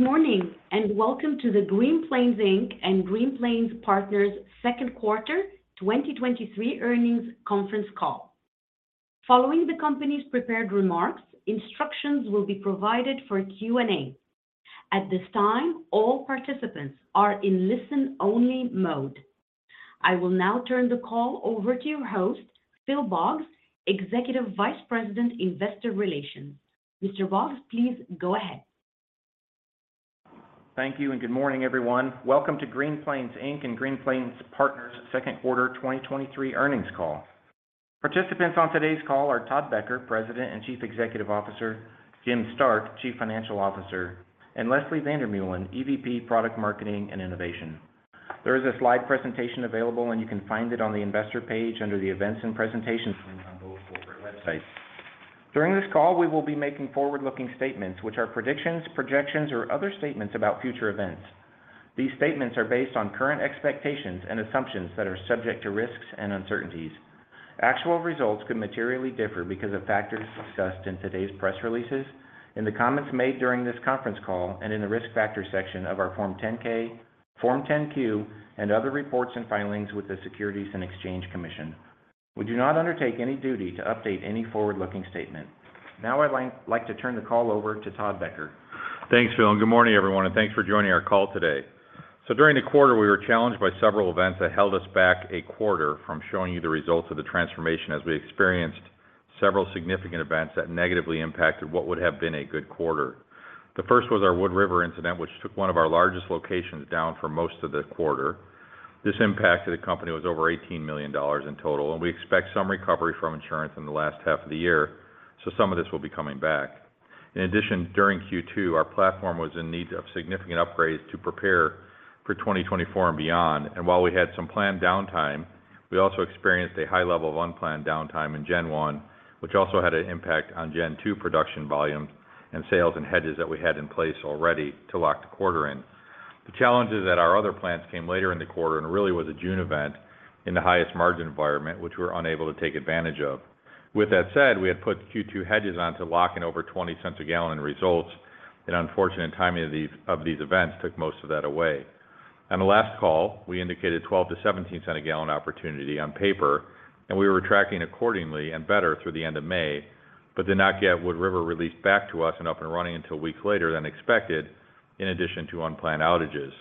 Good morning. Welcome to the Green Plains Inc. and Green Plains Partners second quarter 2023 earnings conference call. Following the company's prepared remarks, instructions will be provided for Q&A. At this time, all participants are in listen-only mode. I will now turn the call over to your host, Phil Boggs, Executive Vice President, Investor Relations. Mr. Boggs, please go ahead. Thank you, good morning, everyone. Welcome to Green Plains Inc. and Green Plains Partners second quarter 2023 earnings call. Participants on today's call are Todd Becker, President and Chief Executive Officer; Jim Stark, Chief Financial Officer; and Leslie van der Meulen, EVP Product Marketing and Innovation. There is a slide presentation available, you can find it on the investor page under the Events and Presentations on both corporate websites. During this call, we will be making forward-looking statements, which are predictions, projections, or other statements about future events. These statements are based on current expectations and assumptions that are subject to risks and uncertainties. Actual results could materially differ because of factors discussed in today's press releases, in the comments made during this conference call, and in the risk factor section of our Form 10-K, Form 10-Q, and other reports and filings with the Securities and Exchange Commission. We do not undertake any duty to update any forward-looking statement. Now I'd like to turn the call over to Todd Becker. Thanks, Phil, good morning, everyone, and thanks for joining our call today. During the quarter, we were challenged by several events that held us back a quarter from showing you the results of the transformation as we experienced several significant events that negatively impacted what would have been a good quarter. The first was our Wood River incident, which took one of our largest locations down for most of the quarter. This impact to the company was over $18 million in total, and we expect some recovery from insurance in the last half of the year, so some of this will be coming back. In addition, during Q2, our platform was in need of significant upgrades to prepare for 2024 and beyond, and while we had some planned downtime, we also experienced a high level of unplanned downtime in Gen 1, which also had an impact on Gen 2 production volumes and sales and hedges that we had in place already to lock the quarter in. The challenges at our other plants came later in the quarter and really was a June event in the highest margin environment, which we were unable to take advantage of. With that said, we had put Q2 hedges on to lock in over $0.20 a gallon in results, and unfortunate timing of these events took most of that away. On the last call, we indicated $0.12-$0.17 a gallon opportunity on paper. We were tracking accordingly and better through the end of May. Did not get Wood River released back to us and up and running until weeks later than expected, in addition to unplanned outages.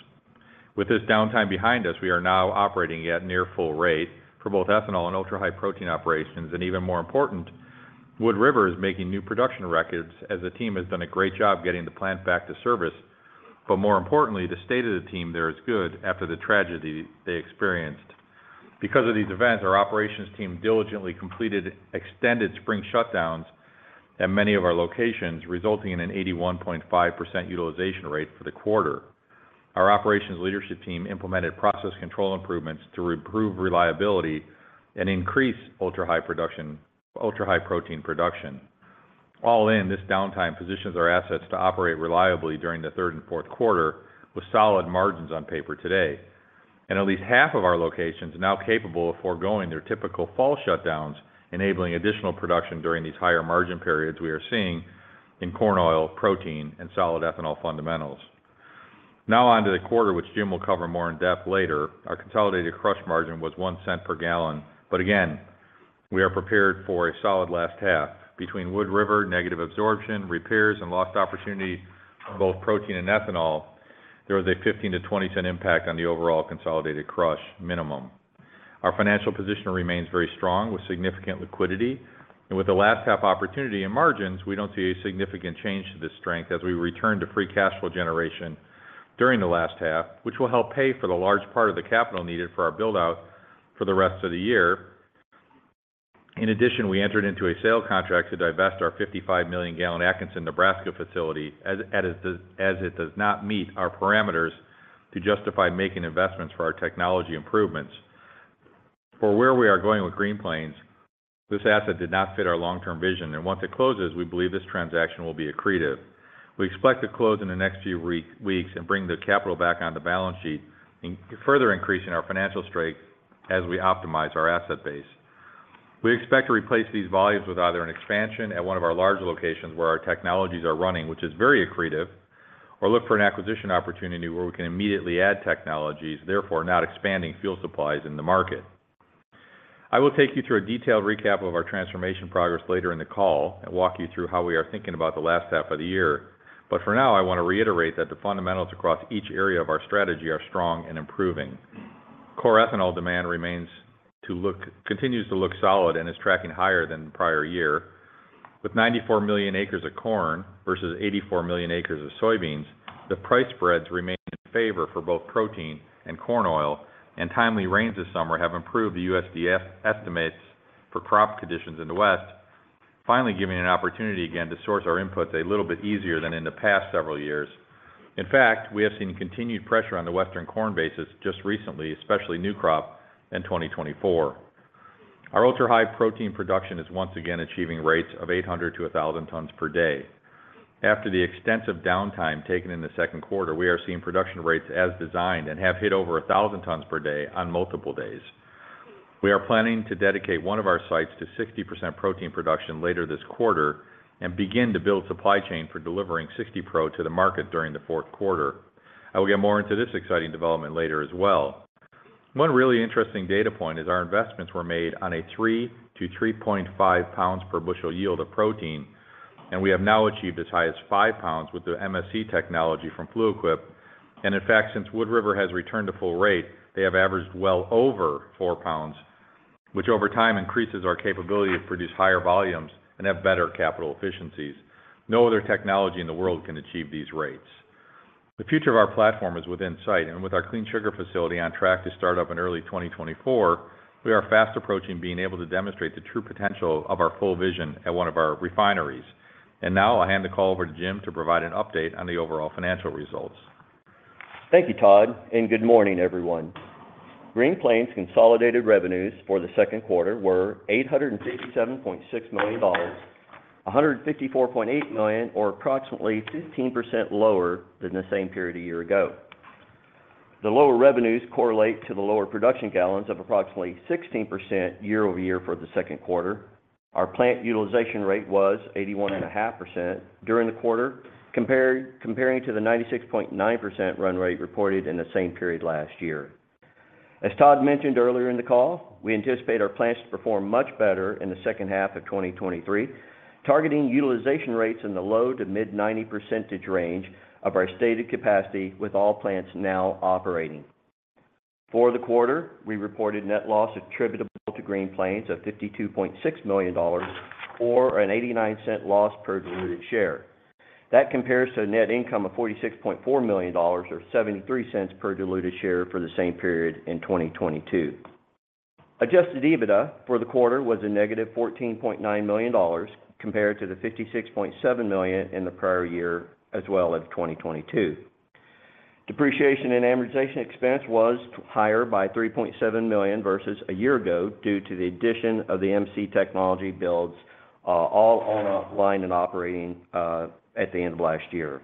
With this downtime behind us, we are now operating at near full rate for both ethanol and Ultra-High Protein operations. Even more important, Wood River is making new production records as the team has done a great job getting the plant back to service. More importantly, the state of the team there is good after the tragedy they experienced. Because of these events, our operations team diligently completed extended spring shutdowns at many of our locations, resulting in an 81.5% utilization rate for the quarter. Our operations leadership team implemented process control improvements to improve reliability and increase Ultra-High Protein production. All in, this downtime positions our assets to operate reliably during the third and fourth quarter with solid margins on paper today. At least half of our locations are now capable of foregoing their typical fall shutdowns, enabling additional production during these higher margin periods we are seeing in corn oil, protein, and solid ethanol fundamentals. Now on to the quarter, which Jim will cover more in-depth later. Our consolidated crush margin was $0.01 per gallon, but again, we are prepared for a solid last half. Between Wood River, negative absorption, repairs, and lost opportunity for both protein and ethanol, there was a $0.15-$0.20 impact on the overall consolidated crush minimum. Our financial position remains very strong, with significant liquidity, and with the last half opportunity and margins, we don't see a significant change to this strength as we return to free cash flow generation during the last half, which will help pay for the large part of the capital needed for our build-out for the rest of the year. In addition, we entered into a sale contract to divest our 55 million gallon Atkinson, Nebraska facility, as it does not meet our parameters to justify making investments for our technology improvements. For where we are going with Green Plains, this asset did not fit our long-term vision, and once it closes, we believe this transaction will be accretive. We expect to close in the next few weeks and bring the capital back on the balance sheet, further increasing our financial strength as we optimize our asset base. We expect to replace these volumes with either an expansion at one of our larger locations where our technologies are running, which is very accretive, or look for an acquisition opportunity where we can immediately add technologies, therefore, not expanding fuel supplies in the market. I will take you through a detailed recap of our transformation progress later in the call and walk you through how we are thinking about the last half of the year. For now, I want to reiterate that the fundamentals across each area of our strategy are strong and improving. Core ethanol demand remains continues to look solid and is tracking higher than the prior year. With 94 million acres of corn versus 84 million acres of soybeans, the price spreads remain in favor for both protein and corn oil, and timely rains this summer have improved the USDA estimates for crop conditions in the West, finally giving an opportunity again to source our inputs a little bit easier than in the past several years. In fact, we have seen continued pressure on the Western corn basis just recently, especially new crop in 2024. Our Ultra-High Protein production is once again achieving rates of 800-1,000 tons per day. After the extensive downtime taken in the second quarter, we are seeing production rates as designed and have hit over 1,000 tons per day on multiple days. We are planning to dedicate one of our sites to 60% protein production later this quarter and begin to build supply chain for delivering 60 Pro to the market during the fourth quarter. I will get more into this exciting development later as well. One really interesting data point is our investments were made on a 3 pound-3.5 pounds per bushel yield of protein, and we have now achieved as high as 5 pounds with the MSC technology from Fluid Quip. In fact, since Wood River has returned to full rate, they have averaged well over 4 pounds, which over time increases our capability to produce higher volumes and have better capital efficiencies. No other technology in the world can achieve these rates. The future of our platform is within sight, and with our Clean Sugar facility on track to start up in early 2024, we are fast approaching being able to demonstrate the true potential of our full vision at one of our refineries. Now I'll hand the call over to Jim to provide an update on the overall financial results. Thank you, Todd, and good morning, everyone. Green Plains' consolidated revenues for the second quarter were $867.6 million, $154.8 million, or approximately 15% lower than the same period a year ago. The lower revenues correlate to the lower production gallons of approximately 16% year-over-year for the second quarter. Our plant utilization rate was 81.5% during the quarter, compared to the 96.9% run rate reported in the same period last year. As Todd mentioned earlier in the call, we anticipate our plants to perform much better in the second half of 2023, targeting utilization rates in the low-to-mid 90% range of our stated capacity, with all plants now operating. For the quarter, we reported net loss attributable to Green Plains of $52.6 million or an $0.89 loss per diluted share. That compares to a net income of $46.4 million or $0.73 per diluted share for the same period in 2022. Adjusted EBITDA for the quarter was a -$14.9 million, compared to the $56.7 million in the prior year, as well as 2022. Depreciation and amortization expense was higher by $3.7 million versus a year ago, due to the addition of the MSC technology builds, all online and operating at the end of last year.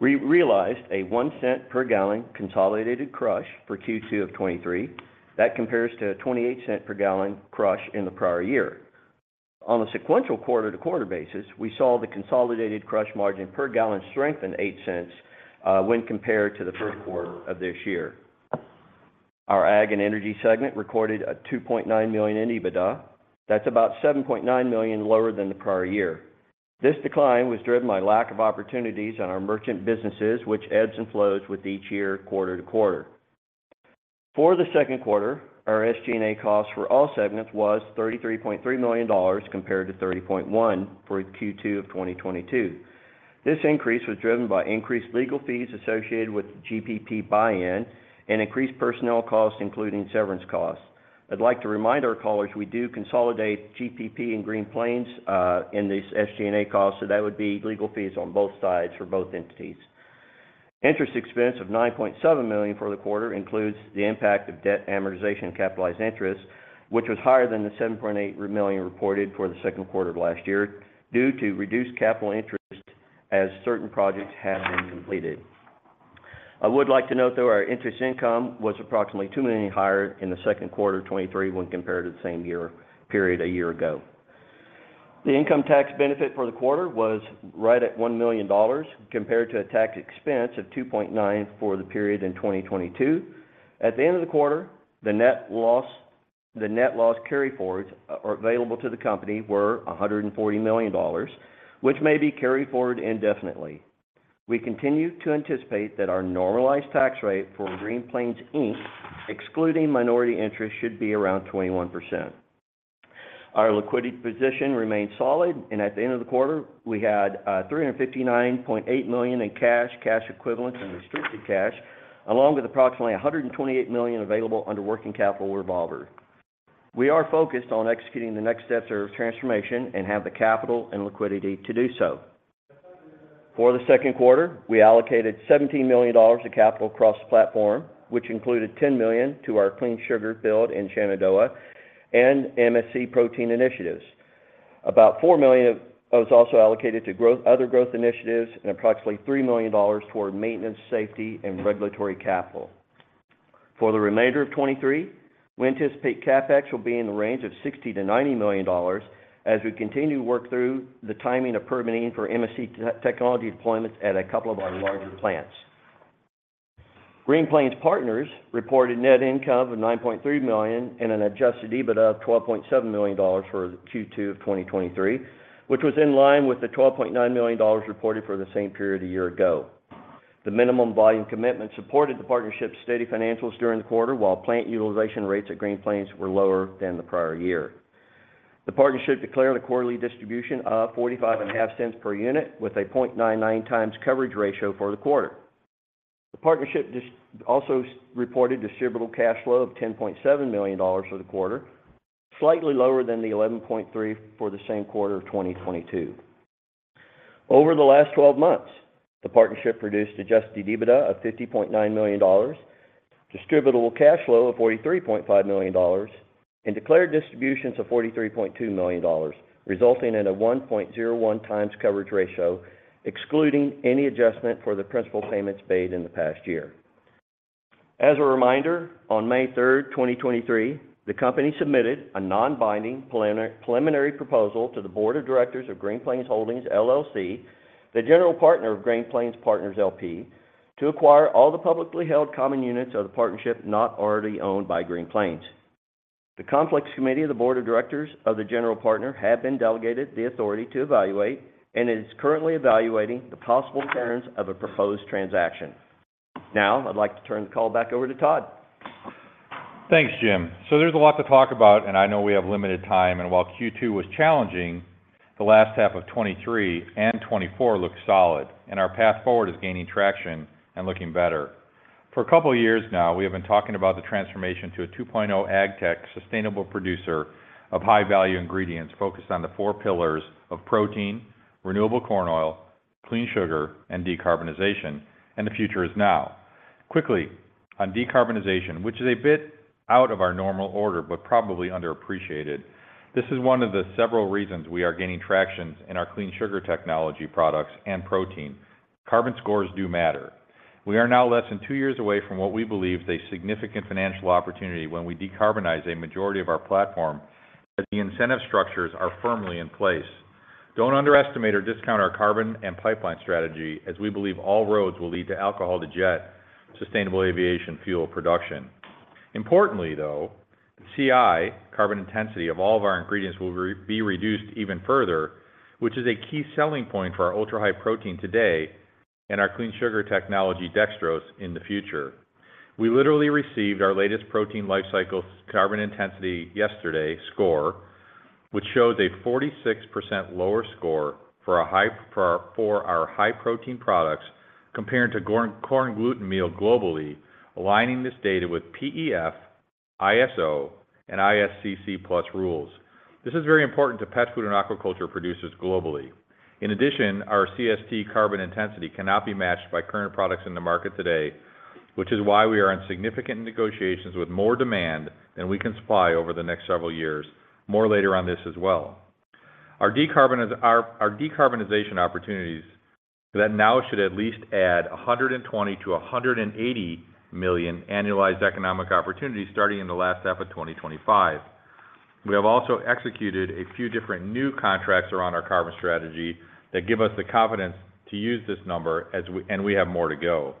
We realized a $0.01 per gallon consolidated crush for Q2 of 2023. That compares to a $0.28 per gallon crush in the prior year. On a sequential quarter-over-quarter basis, we saw the consolidated crush margin per gallon strengthen $0.08 when compared to the first quarter of this year. Our ag and energy segment recorded $2.9 million in EBITDA. That's about $7.9 million lower than the prior year. This decline was driven by lack of opportunities on our merchant businesses, which ebbs and flows with each year, quarter-to-quarter. For the second quarter, our SG&A costs for all segments was $33.3 million, compared to $30.1 million for Q2 of 2022. This increase was driven by increased legal fees associated with GPP buy-in and increased personnel costs, including severance costs. I'd like to remind our callers, we do consolidate GPP in Green Plains in these SG&A costs, so that would be legal fees on both sides for both entities. Interest expense of $9.7 million for the quarter includes the impact of debt amortization and capitalized interest, which was higher than the $7.8 million reported for the second quarter of last year, due to reduced capital interest as certain projects have been completed. I would like to note, though, our interest income was approximately $2 million higher in the second quarter of 2023 when compared to the same period a year ago. The income tax benefit for the quarter was right at $1 million, compared to a tax expense of $2.9 million for the period in 2022. At the end of the quarter, the net loss carryforwards available to the company were $140 million, which may be carried forward indefinitely. We continue to anticipate that our normalized tax rate for Green Plains Inc, excluding minority interest, should be around 21%. Our liquidity position remains solid, and at the end of the quarter, we had $359.8 million in cash, cash equivalents, and restricted cash, along with approximately $128 million available under working capital revolver. We are focused on executing the next steps of transformation and have the capital and liquidity to do so. For the second quarter, we allocated $17 million of capital across the platform, which included $10 million to our Clean Sugar build in Shenandoah and MSC protein initiatives. About $4 million was also allocated to growth, other growth initiatives, and approximately $3 million toward maintenance, safety, and regulatory capital. For the remainder of 2023, we anticipate CapEx will be in the range of $60 million-$90 million as we continue to work through the timing of permitting for MSC technology deployments at a couple of our larger plants. Green Plains Partners reported net income of $9.3 million and an adjusted EBITDA of $12.7 million for Q2 of 2023, which was in line with the $12.9 million reported for the same period a year ago. The minimum volume commitment supported the partnership's steady financials during the quarter, while plant utilization rates at Green Plains were lower than the prior year. The partnership declared a quarterly distribution of $0.455 per unit, with a 0.99x coverage ratio for the quarter. The partnership also reported distributable cash flow of $10.7 million for the quarter, slightly lower than $11.3 million for the same quarter of 2022. Over the last 12 months, the partnership produced adjusted EBITDA of $50.9 million, distributable cash flow of $43.5 million, and declared distributions of $43.2 million, resulting in a 1.01x coverage ratio, excluding any adjustment for the principal payments made in the past year. As a reminder, on May 3rd, 2023, the company submitted a non-binding preliminary proposal to the board of directors of Green Plains Holdings LLC, the general partner of Green Plains Partners LP, to acquire all the publicly held common units of the partnership not already owned by Green Plains. The Conflicts Committee of the Board of Directors of the general partner have been delegated the authority to evaluate and is currently evaluating the possible terms of a proposed transaction. Now, I'd like to turn the call back over to Todd. Thanks, Jim. There's a lot to talk about. I know we have limited time. While Q2 was challenging, the last half of 2023 and 2024 looks solid. Our path forward is gaining traction and looking better. For a couple of years now, we have been talking about the transformation to a 2.0 ag-tech sustainable producer of high-value ingredients focused on the four pillars of protein, renewable corn oil, Clean Sugar, and decarbonization. The future is now. Quickly, on decarbonization, which is a bit out of our normal order, but probably underappreciated. This is one of the several reasons we are gaining traction in our Clean Sugar Technology products and protein. Carbon scores do matter. We are now less than two years away from what we believe is a significant financial opportunity when we decarbonize a majority of our platform, as the incentive structures are firmly in place. Don't underestimate or discount our carbon and pipeline strategy, as we believe all roads will lead to alcohol-to-jet sustainable aviation fuel production. Importantly, though, CI, carbon intensity of all of our ingredients will be reduced even further, which is a key selling point for our Ultra-High Protein today and our Clean Sugar Technology dextrose in the future. We literally received our latest protein life cycle carbon intensity yesterday score, which shows a 46% lower score for our high-protein products, comparing to corn, corn gluten meal globally, aligning this data with PEF, ISO, and ISCC PLUS rules. This is very important to pet food and aquaculture producers globally. In addition, our CST carbon intensity cannot be matched by current products in the market today, which is why we are in significant negotiations with more demand than we can supply over the next several years. More later on this as well. Our, our decarbonization opportunities that now should at least add $120 million-$180 million annualized economic opportunity starting in the last half of 2025. We have also executed a few different new contracts around our carbon strategy that give us the confidence to use this number and we have more to go.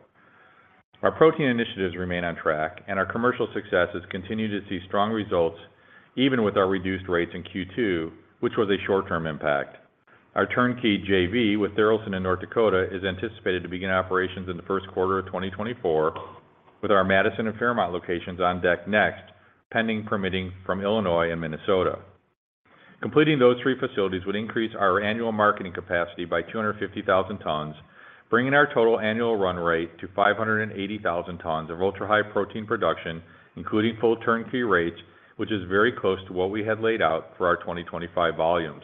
Our protein initiatives remain on track, and our commercial successes continue to see strong results, even with our reduced rates in Q2, which was a short-term impact. Our turnkey JV with Tharaldson in North Dakota, is anticipated to begin operations in the first quarter of 2024, with our Madison and Fairmont locations on deck next, pending permitting from Illinois and Minnesota. Completing those three facilities would increase our annual marketing capacity by 250,000 tons, bringing our total annual run rate to 580,000 tons of Ultra-High Protein production, including full turnkey rates, which is very close to what we had laid out for our 2025 volumes.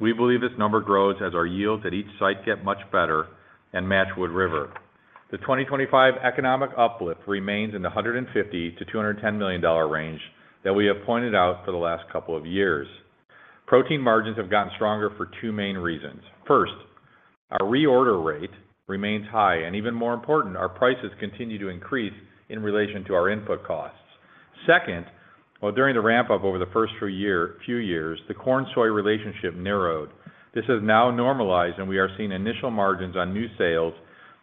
We believe this number grows as our yields at each site get much better and match Wood River. The 2025 economic uplift remains in the $150 million-$210 million range that we have pointed out for the last couple of years. Protein margins have gotten stronger for two main reasons. First, our reorder rate remains high, and even more important, our prices continue to increase in relation to our input costs. Second, well, during the ramp-up over the first few year, few years, the corn-soy relationship narrowed. This has now normalized, and we are seeing initial margins on new sales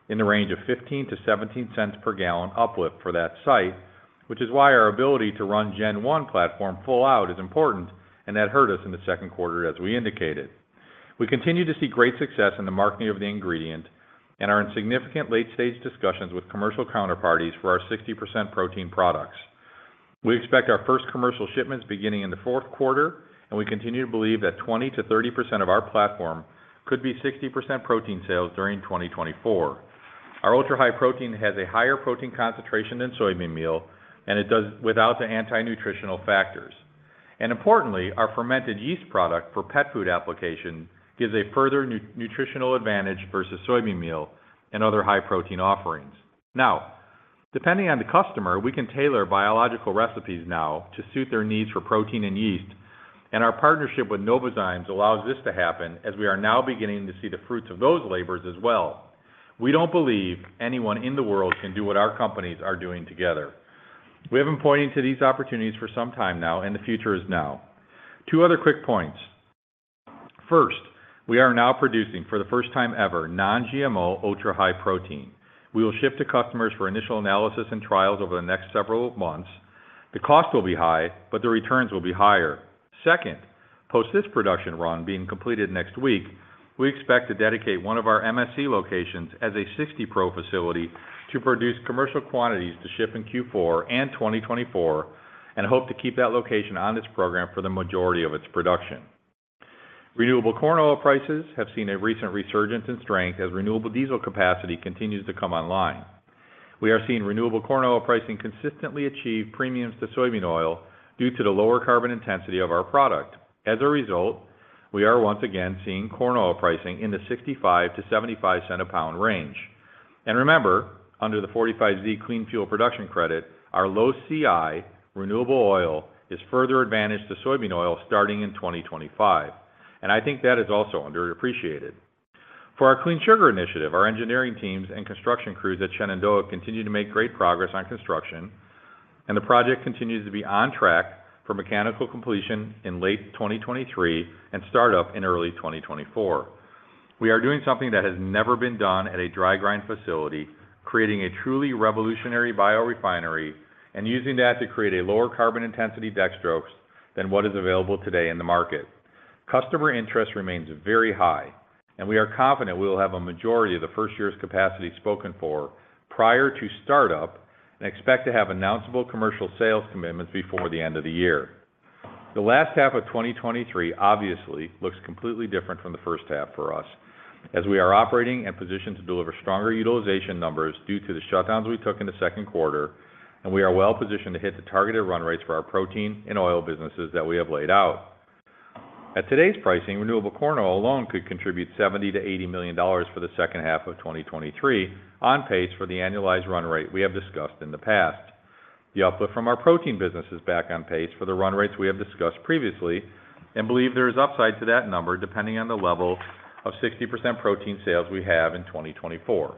in the range of $0.15-$0.17 per gallon uplift for that site, which is why our ability to run Gen 1 platform full out is important, and that hurt us in the second quarter, as we indicated. We continue to see great success in the marketing of the ingredient and are in significant late-stage discussions with commercial counterparties for our 60% protein products. We expect our first commercial shipments beginning in the fourth quarter, and we continue to believe that 20%-30% of our platform could be 60% protein sales during 2024. Our Ultra-High Protein has a higher protein concentration than soybean meal, and it does without the anti-nutritional factors. Importantly, our fermented yeast product for pet food application gives a further nutritional advantage versus soybean meal and other high-protein offerings. Now, depending on the customer, we can tailor biological recipes now to suit their needs for protein and yeast. Our partnership with Novozymes allows this to happen, as we are now beginning to see the fruits of those labors as well. We don't believe anyone in the world can do what our companies are doing together. We have been pointing to these opportunities for some time now, and the future is now. Two other quick points. First, we are now producing, for the first time ever, non-GMO Ultra-High Protein. We will ship to customers for initial analysis and trials over the next several months. The cost will be high, but the returns will be higher. Second, post this production run being completed next week, we expect to dedicate one of our MSC locations as a 60 Pro facility to produce commercial quantities to ship in Q4 and 2024, and hope to keep that location on this program for the majority of its production. renewable corn oil prices have seen a recent resurgence in strength as renewable diesel capacity continues to come online. We are seeing renewable corn oil pricing consistently achieve premiums to soybean oil due to the lower carbon intensity of our product. As a result, we are once again seeing corn oil pricing in the $0.65-$0.75 a pound range. Remember, under the 45Z Clean Fuel Production Credit, our low CI renewable corn oil is further advantage to soybean oil starting in 2025. I think that is also underappreciated. For our Clean Sugar initiative, our engineering teams and construction crews at Shenandoah continue to make great progress on construction. The project continues to be on track for mechanical completion in late 2023 and start up in early 2024. We are doing something that has never been done at a dry grind facility, creating a truly revolutionary biorefinery and using that to create a lower carbon intensity dextrose than what is available today in the market. Customer interest remains very high. We are confident we will have a majority of the first year's capacity spoken for prior to startup. We expect to have announceable commercial sales commitments before the end of the year. The last half of 2023 obviously looks completely different from the first half for us, as we are operating and positioned to deliver stronger utilization numbers due to the shutdowns we took in the second quarter, and we are well positioned to hit the targeted run rates for our protein and oil businesses that we have laid out. At today's pricing, renewable corn oil alone could contribute $70 million-$80 million for the second half of 2023, on pace for the annualized run rate we have discussed in the past. The output from our protein business is back on pace for the run rates we have discussed previously and believe there is upside to that number, depending on the level of 60% protein sales we have in 2024.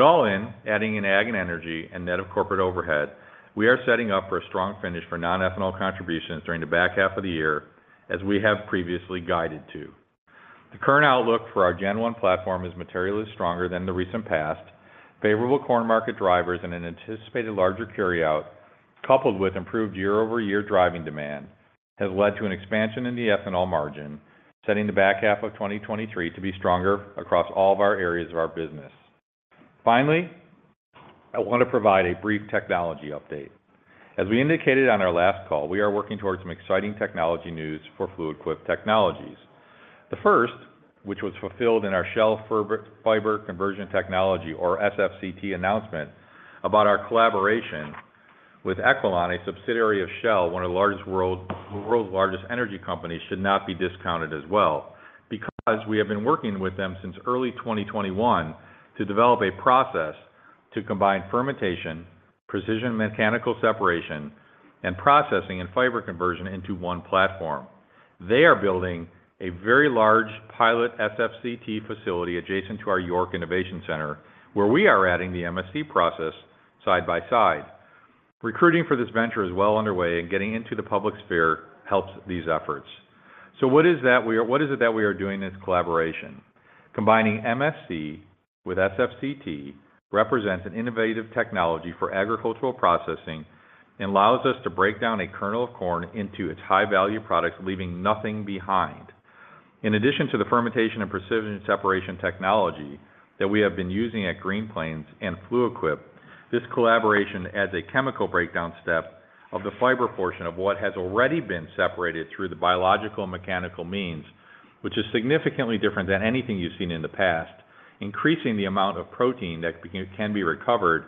All in, adding in ag and energy and net of corporate overhead, we are setting up for a strong finish for non-ethanol contributions during the back half of the year, as we have previously guided to. The current outlook for our Gen 1 platform is materially stronger than the recent past. Favorable corn market drivers and an anticipated larger carryout, coupled with improved year-over-year driving demand, has led to an expansion in the ethanol margin, setting the back half of 2023 to be stronger across all of our areas of our business. Finally, I want to provide a brief technology update. As we indicated on our last call, we are working towards some exciting technology news for Fluid Quip Technologies. The first, which was fulfilled in our Shell Fiber Conversion Technology, or SFCT announcement, about our collaboration with Equilon, a subsidiary of Shell, one of the world's largest energy companies, should not be discounted as well, because we have been working with them since early 2021 to develop a process to combine fermentation, precision mechanical separation, and processing and fiber conversion into one platform. They are building a very large pilot SFCT facility adjacent to our York Innovation Center, where we are adding the MSC process side by side. Recruiting for this venture is well underway, getting into the public sphere helps these efforts. What is it that we are doing in this collaboration? Combining MSC with SFCT represents an innovative technology for agricultural processing and allows us to break down a kernel of corn into its high-value products, leaving nothing behind. In addition to the fermentation and precision separation technology that we have been using at Green Plains and Fluid Quip, this collaboration adds a chemical breakdown step of the fiber portion of what has already been separated through the biological and mechanical means, which is significantly different than anything you've seen in the past, increasing the amount of protein that can be recovered,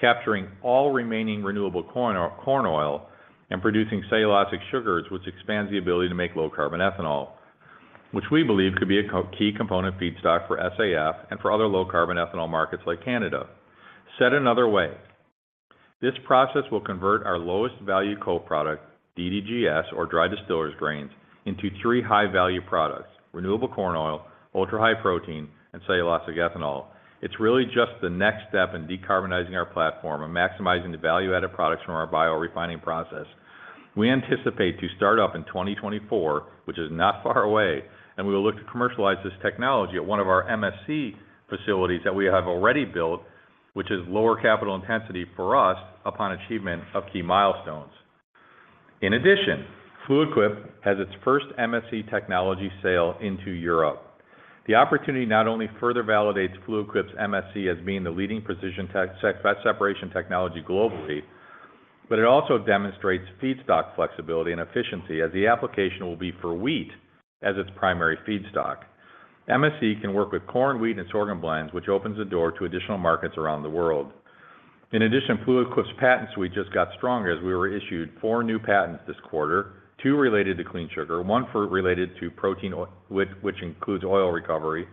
capturing all remaining renewable corn oil, corn oil, and producing cellulosic sugars, which expands the ability to make low-carbon ethanol, which we believe could be a key component feedstock for SAF and for other low-carbon ethanol markets like Canada. Said another way, this process will convert our lowest value co-product, DDGS, or dry distillers grains, into three high-value products: renewable corn oil, Ultra-High Protein, and cellulosic ethanol. It's really just the next step in decarbonizing our platform and maximizing the value-added products from our biorefining process. We anticipate to start up in 2024, which is not far away, and we will look to commercialize this technology at one of our MSC facilities that we have already built, which is lower capital intensity for us upon achievement of key milestones. In addition, Fluid Quip has its first MSC technology sale into Europe. The opportunity not only further validates Fluid Quip's MSC as being the leading precision separation technology globally, but it also demonstrates feedstock flexibility and efficiency as the application will be for wheat as its primary feedstock. MSC can work with corn, wheat, and sorghum blends, which opens the door to additional markets around the world. In addition, Fluid Quip's patents suite just got stronger as we were issued 4 new patents this quarter, two related to Clean Sugar, one for related to protein oil, which includes oil recovery,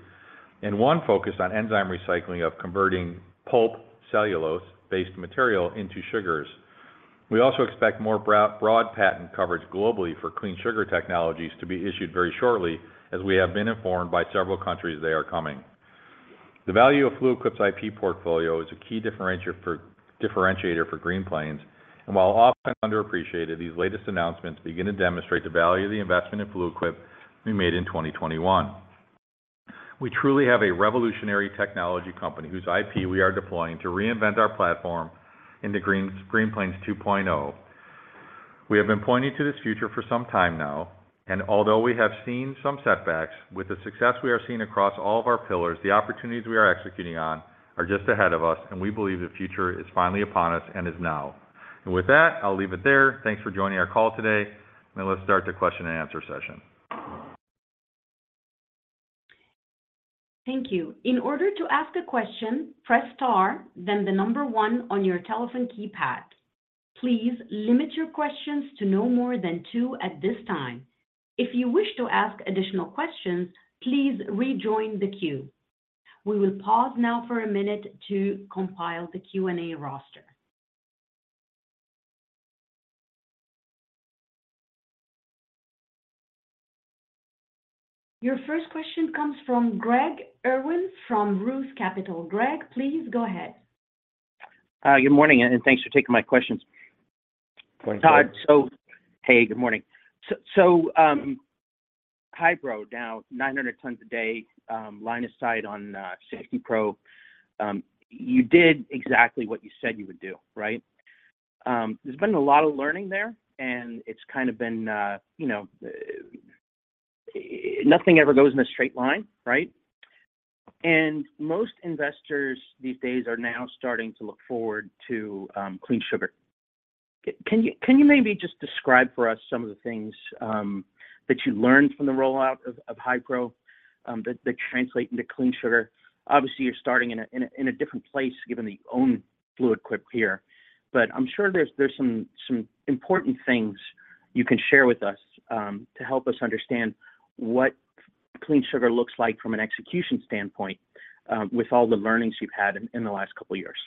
and one focused on enzyme recycling of converting pulp cellulose-based material into sugars. We also expect more broad patent coverage globally for Clean Sugar technologies to be issued very shortly, as we have been informed by several countries they are coming. The value of Fluid Quip's IP portfolio is a key differentiator for Green Plains, and while often underappreciated, these latest announcements begin to demonstrate the value of the investment in Fluid Quip we made in 2021. We truly have a revolutionary technology company whose IP we are deploying to reinvent our platform into Green Plains 2.0. We have been pointing to this future for some time now, although we have seen some setbacks, with the success we are seeing across all of our pillars, the opportunities we are executing on are just ahead of us. We believe the future is finally upon us and is now. With that, I'll leave it there. Thanks for joining our call today. Let's start the question and answer session. Thank you. In order to ask a question, press star, then the number one on your telephone keypad. Please limit your questions to no more than two at this time. If you wish to ask additional questions, please rejoin the queue. We will pause now for a minute to compile the Q&A roster. Your first question comes from Craig Irwin from Roth Capital. Craig, please go ahead. Good morning, and thanks for taking my questions. Good morning. Hey, good morning. HiPro, now 900 tons a day, line of sight on 60 Pro. You did exactly what you said you would do, right? There's been a lot of learning there, and it's kind of been, you know, nothing ever goes in a straight line, right? Most investors these days are now starting to look forward to Clean Sugar. Can you, can you maybe just describe for us some of the things that you learned from the rollout of HiPro that translate into Clean Sugar? Obviously, you're starting in a, in a, in a different place, given the own Fluid Quip here. I'm sure there's, there's some, some important things you can share with us to help us understand what Clean Sugar looks like from an execution standpoint with all the learnings you've had in the last couple of years.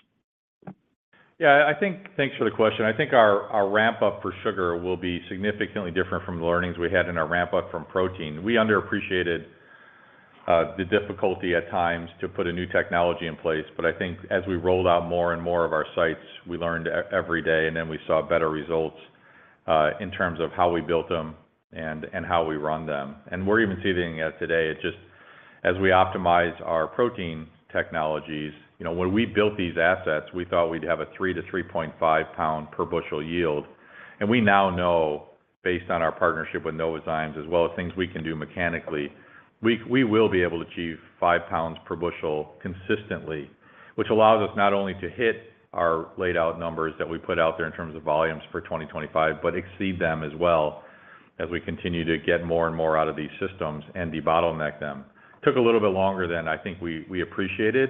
Yeah, I think, thanks for the question. I think our, our ramp-up for sugar will be significantly different from the learnings we had in our ramp-up from protein. We underappreciated the difficulty at times to put a new technology in place. I think as we rolled out more and more of our sites, we learned every day, and then we saw better results in terms of how we built them and, and how we run them. We're even seeing it today. It just, as we optimize our protein technologies, you know, when we built these assets, we thought we'd have a 3 pound-3.5 pound per bushel yield. We now know, based on our partnership with Novozymes, as well as things we can do mechanically, we will be able to achieve 5 pounds per bushel consistently, which allows us not only to hit our laid out numbers that we put out there in terms of volumes for 2025, but exceed them as well as we continue to get more and more out of these systems and debottleneck them. Took a little bit longer than I think we appreciated,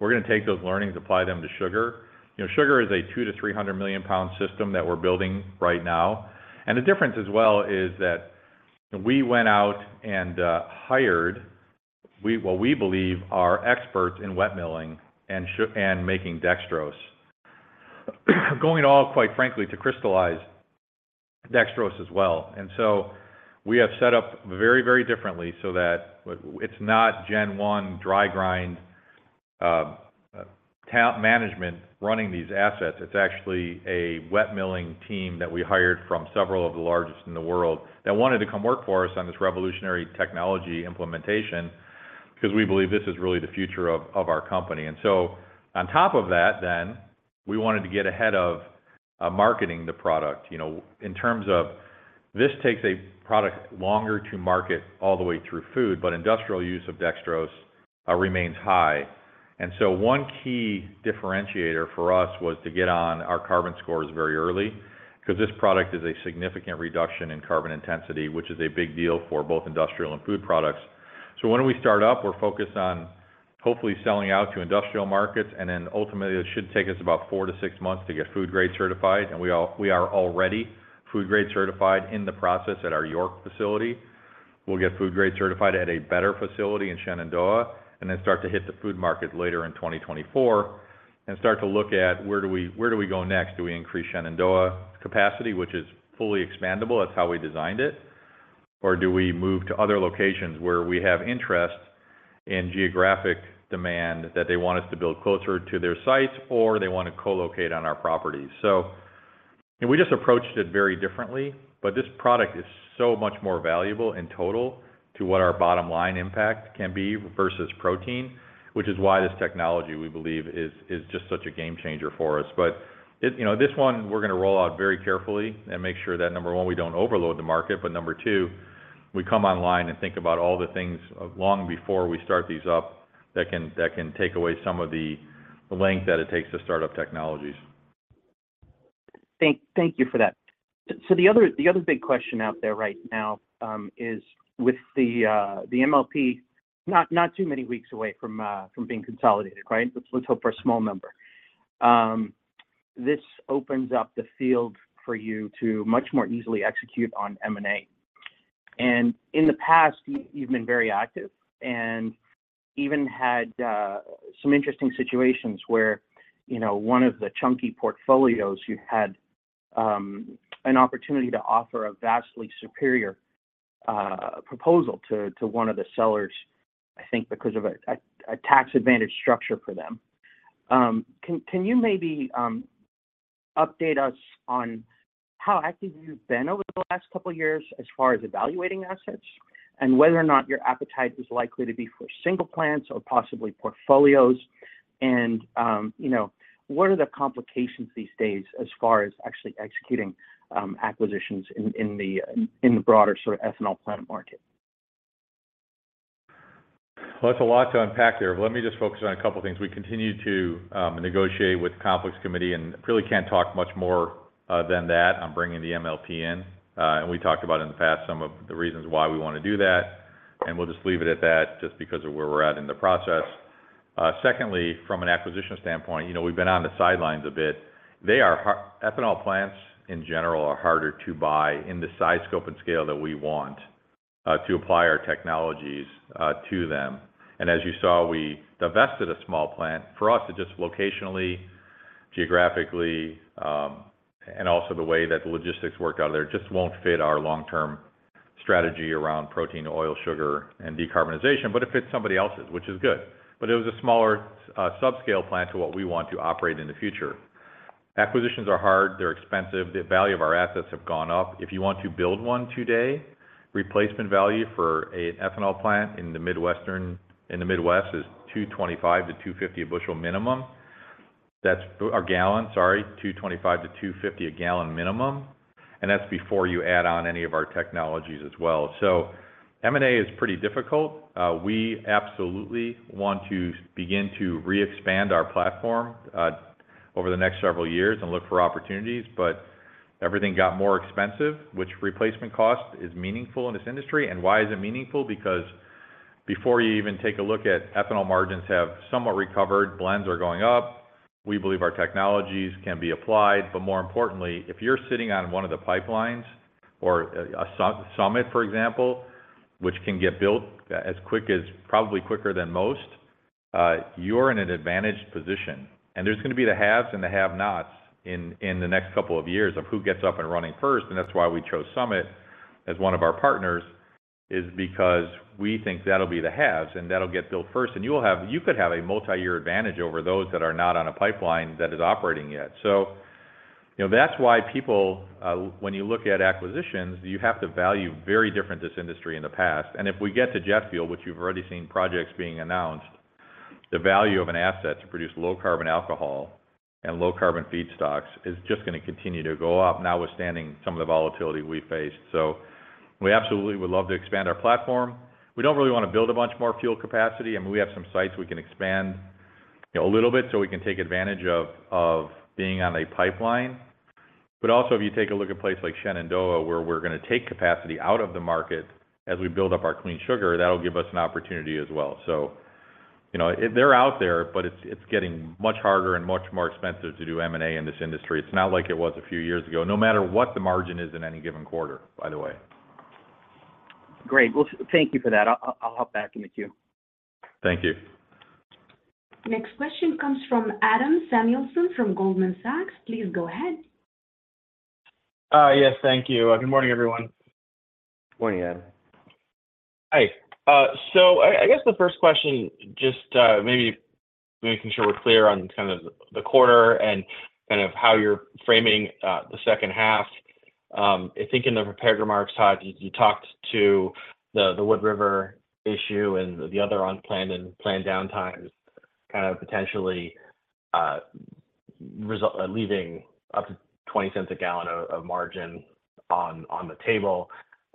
we're going to take those learnings, apply them to sugar. You know, sugar is a 200-300 million pound system that we're building right now. The difference as well is that we went out and hired what we believe are experts in wet milling and making dextrose. Going all, quite frankly, to crystallize dextrose as well. We have set up very, very differently so that it's not Gen 1, dry grind, talent management running these assets. It's actually a wet milling team that we hired from several of the largest in the world, that wanted to come work for us on this revolutionary technology implementation, 'cause we believe this is really the future of our company. On top of that then, we wanted to get ahead of marketing the product, you know, in terms of this takes a product longer to market all the way through food, but industrial use of dextrose remains high. One key differentiator for us was to get on our carbon scores very early, 'cause this product is a significant reduction in carbon intensity, which is a big deal for both industrial and food products. When we start up, we're focused on hopefully selling out to industrial markets, and then ultimately, it should take us about four to six months to get food grade certified. We are already food grade certified in the process at our York facility. We'll get food grade certified at a better facility in Shenandoah, and then start to hit the food market later in 2024, and start to look at where do we go next? Do we increase Shenandoah capacity, which is fully expandable? That's how we designed it. Do we move to other locations where we have interest in geographic demand that they want us to build closer to their sites, or they want to co-locate on our properties? We just approached it very differently, but this product is so much more valuable in total to what our bottom line impact can be versus protein, which is why this technology, we believe, is just such a game changer for us. You know, this one, we're going to roll out very carefully and make sure that, number one, we don't overload the market, but number two, we come online and think about all the things long before we start these up, that can take away some of the length that it takes to start up technologies. Thank, thank you for that. The other, the other big question out there right now, is with the MLP, not, not too many weeks away from being consolidated, right? Let's, let's hope for a small number. This opens up the field for you to much more easily execute on M&A. In the past, you, you've been very active and even had some interesting situations where, you know, one of the chunky portfolios, you had an opportunity to offer a vastly superior proposal to, to one of the sellers, I think because of a tax advantage structure for them. Can you maybe update us on how active you've been over the last couple of years as far as evaluating assets, and whether or not your appetite is likely to be for single plants or possibly portfolios? You know, what are the complications these days as far as actually executing acquisitions in, in the, in the broader sort of ethanol plant market? Well, that's a lot to unpack there, but let me just focus on a couple of things. We continue to negotiate with the Conflicts Committee, and really can't talk much more than that. I'm bringing the MLP in, and we talked about in the past some of the reasons why we want to do that, and we'll just leave it at that just because of where we're at in the process. Secondly, from an acquisition standpoint, you know, we've been on the sidelines a bit. They are ethanol plants, in general, are harder to buy in the size, scope, and scale that we want to apply our technologies to them. As you saw, we divested a small plant. For us, it just locationally, geographically, and also the way that the logistics work out there, just won't fit our long-term strategy around protein, oil, sugar, and decarbonization, but it fits somebody else's, which is good. It was a smaller, subscale plant to what we want to operate in the future. Acquisitions are hard, they're expensive. The value of our assets have gone up. If you want to build one today, replacement value for a ethanol plant in the Midwest is $2.25-$2.50 a bushel minimum. Or gallon, sorry, $2.25-$2.50 a gallon minimum, and that's before you add on any of our technologies as well. M&A is pretty difficult. We absolutely want to begin to re-expand our platform over the next several years and look for opportunities, everything got more expensive, which replacement cost is meaningful in this industry. Why is it meaningful? Before you even take a look at ethanol margins have somewhat recovered, blends are going up. We believe our technologies can be applied, more importantly, if you're sitting on one of the pipelines or a Summit, for example, which can get built probably quicker than most, you're in an advantaged position. There's going to be the haves and the have-nots in the next couple of years of who gets up and running first, and that's why we chose Summit as one of our partners, is because we think that'll be the haves, and that'll get built first. You could have a multi-year advantage over those that are not on a pipeline that is operating yet. You know, that's why people, when you look at acquisitions, you have to value very different this industry in the past. If we get to jet fuel, which you've already seen projects being announced, the value of an asset to produce low carbon alcohol and low carbon feedstocks is just gonna continue to go up, notwithstanding some of the volatility we faced. We absolutely would love to expand our platform. We don't really wanna build a bunch more fuel capacity, and we have some sites we can expand, you know, a little bit, so we can take advantage of being on a pipeline. Also, if you take a look at places like Shenandoah, where we're gonna take capacity out of the market as we build up our Clean Sugar, that'll give us an opportunity as well. You know, they're out there, but it's, it's getting much harder and much more expensive to do M&A in this industry. It's not like it was a few years ago, no matter what the margin is in any given quarter, by the way. Great. Well, thank you for that. I'll, I'll hop back in the queue. Thank you. Next question comes from Adam Samuelson from Goldman Sachs. Please go ahead. Yes, thank you. Good morning, everyone. Morning, Adam. Hi. I, I guess the first question, just, maybe making sure we're clear on kind of the quarter and kind of how you're framing the second half. I think in the prepared remarks, Todd, you, you talked to the Wood River issue and the other unplanned and planned downtimes, kind of potentially, leaving up to $0.20 a gallon of margin on the table.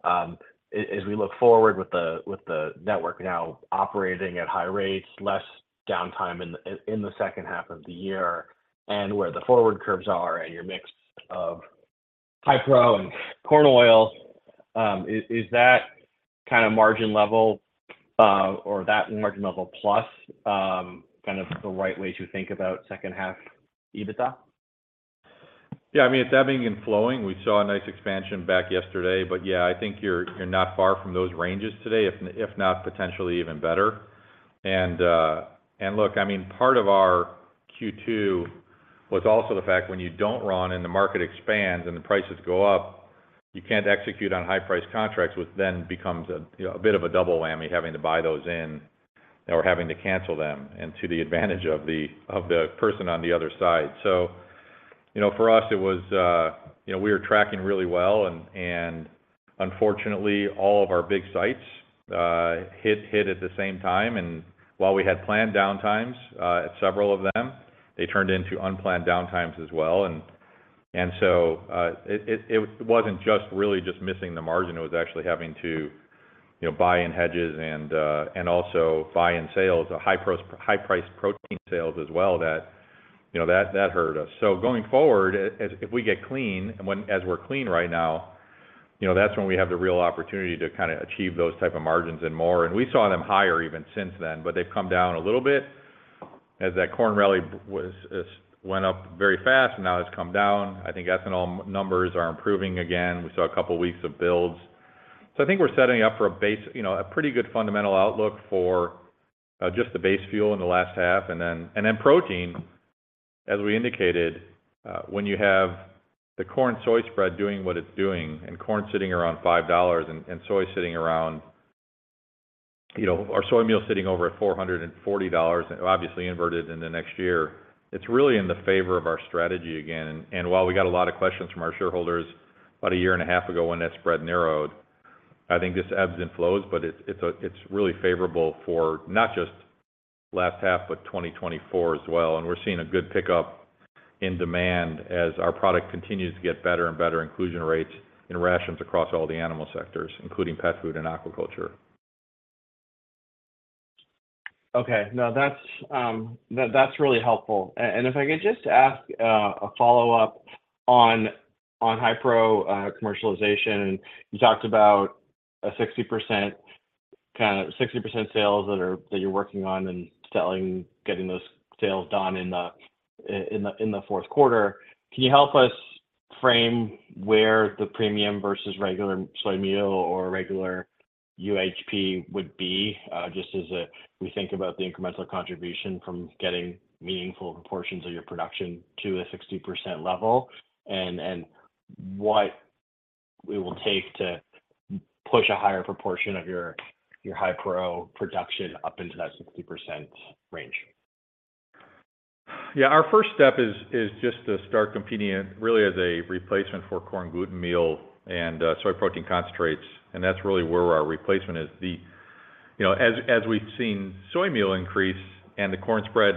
As, as we look forward with the network now operating at high rates, less downtime in the second half of the year, and where the forward curves are and your mix of HiPro and corn oil, is, is that kind of margin level, or that margin level plus, kind of the right way to think about second half EBITDA? Yeah, I mean, it's ebbing and flowing. We saw a nice expansion back yesterday, but yeah, I think you're, you're not far from those ranges today, if, if not potentially even better. Look, I mean, part of our Q2 was also the fact when you don't run and the market expands and the prices go up, you can't execute on high-priced contracts, which then becomes a, you know, a bit of a double whammy, having to buy those in or having to cancel them, and to the advantage of the, of the person on the other side. You know, for us, it was, you know, we were tracking really well, unfortunately, all of our big sites hit, hit at the same time. While we had planned downtimes at several of them, they turned into unplanned downtimes as well. So it wasn't just really just missing the margin, it was actually having to, you know, buy in hedges and, and also buy in sales, high-priced protein sales as well that, you know, that, that hurt us. So going forward, as, if we get clean and when-- as we're clean right now, you know, that's when we have the real opportunity to kind of achieve those type of margins and more. We saw them higher even since then, but they've come down a little bit as that corn rally went up very fast, and now it's come down. I think ethanol numbers are improving again. We saw a couple weeks of builds. I think we're setting up for a base, you know, a pretty good fundamental outlook for just the base fuel in the last half, and then protein, as we indicated, when you have the corn-soy spread doing what it's doing, and corn sitting around $5 and soy sitting around, you know, our soy meal sitting over at $440, obviously inverted in the next year, it's really in the favor of our strategy again. While we got a lot of questions from our shareholders about a year and a half ago when that spread narrowed, I think this ebbs and flows, but it's, it's really favorable for not just last half, but 2024 as well. We're seeing a good pickup in demand as our product continues to get better and better inclusion rates in rations across all the animal sectors, including pet food and aquaculture. Okay. No, that's, that's really helpful. If I could just ask a follow-up on HiPro commercialization. You talked about a 60%, kind of 60% sales that are, that you're working on and selling, getting those sales done in the fourth quarter. Can you help us frame where the premium versus regular soy meal or regular UHP would be? Just as a, we think about the incremental contribution from getting meaningful proportions of your production to a 60% level, and what it will take to push a higher proportion of your, your HiPro production up into that 60% range. Yeah. Our first step is, is just to start competing, really as a replacement for corn gluten meal and soy protein concentrates, and that's really where our replacement is. You know, as, as we've seen soy meal increase and the corn spread,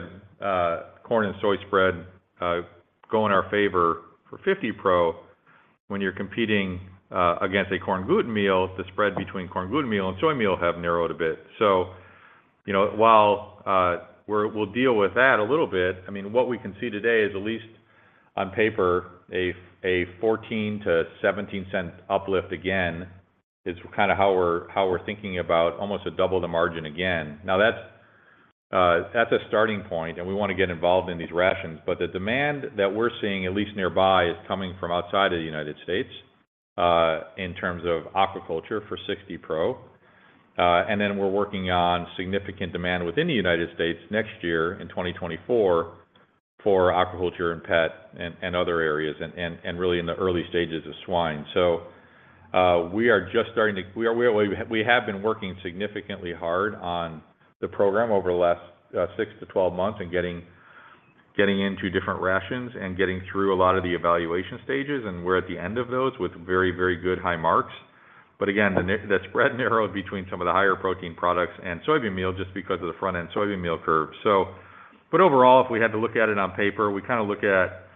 corn and soy spread, go in our favor for 50 Pro, when you're competing against a corn gluten meal, the spread between corn gluten meal and soy meal have narrowed a bit. You know, while we'll deal with that a little bit, I mean, what we can see today is, at least on paper, a $0.14-$0.17 uplift again, is kind of how we're, how we're thinking about almost a double the margin again. Now, that's, that's a starting point. We want to get involved in these rations, but the demand that we're seeing, at least nearby, is coming from outside of the United States, in terms of aquaculture for 60 Pro. Then we're working on significant demand within the United States next year, in 2024, for aquaculture and pet and, and other areas, and, and, and really in the early stages of swine. We have been working significantly hard on the program over the last six to 12 months and getting, getting into different rations and getting through a lot of the evaluation stages, and we're at the end of those with very, very good high marks. Again, the spread narrowed between some of the higher protein products and soybean meal, just because of the front-end soybean meal curve. Overall, if we had to look at it on paper, we kind of look at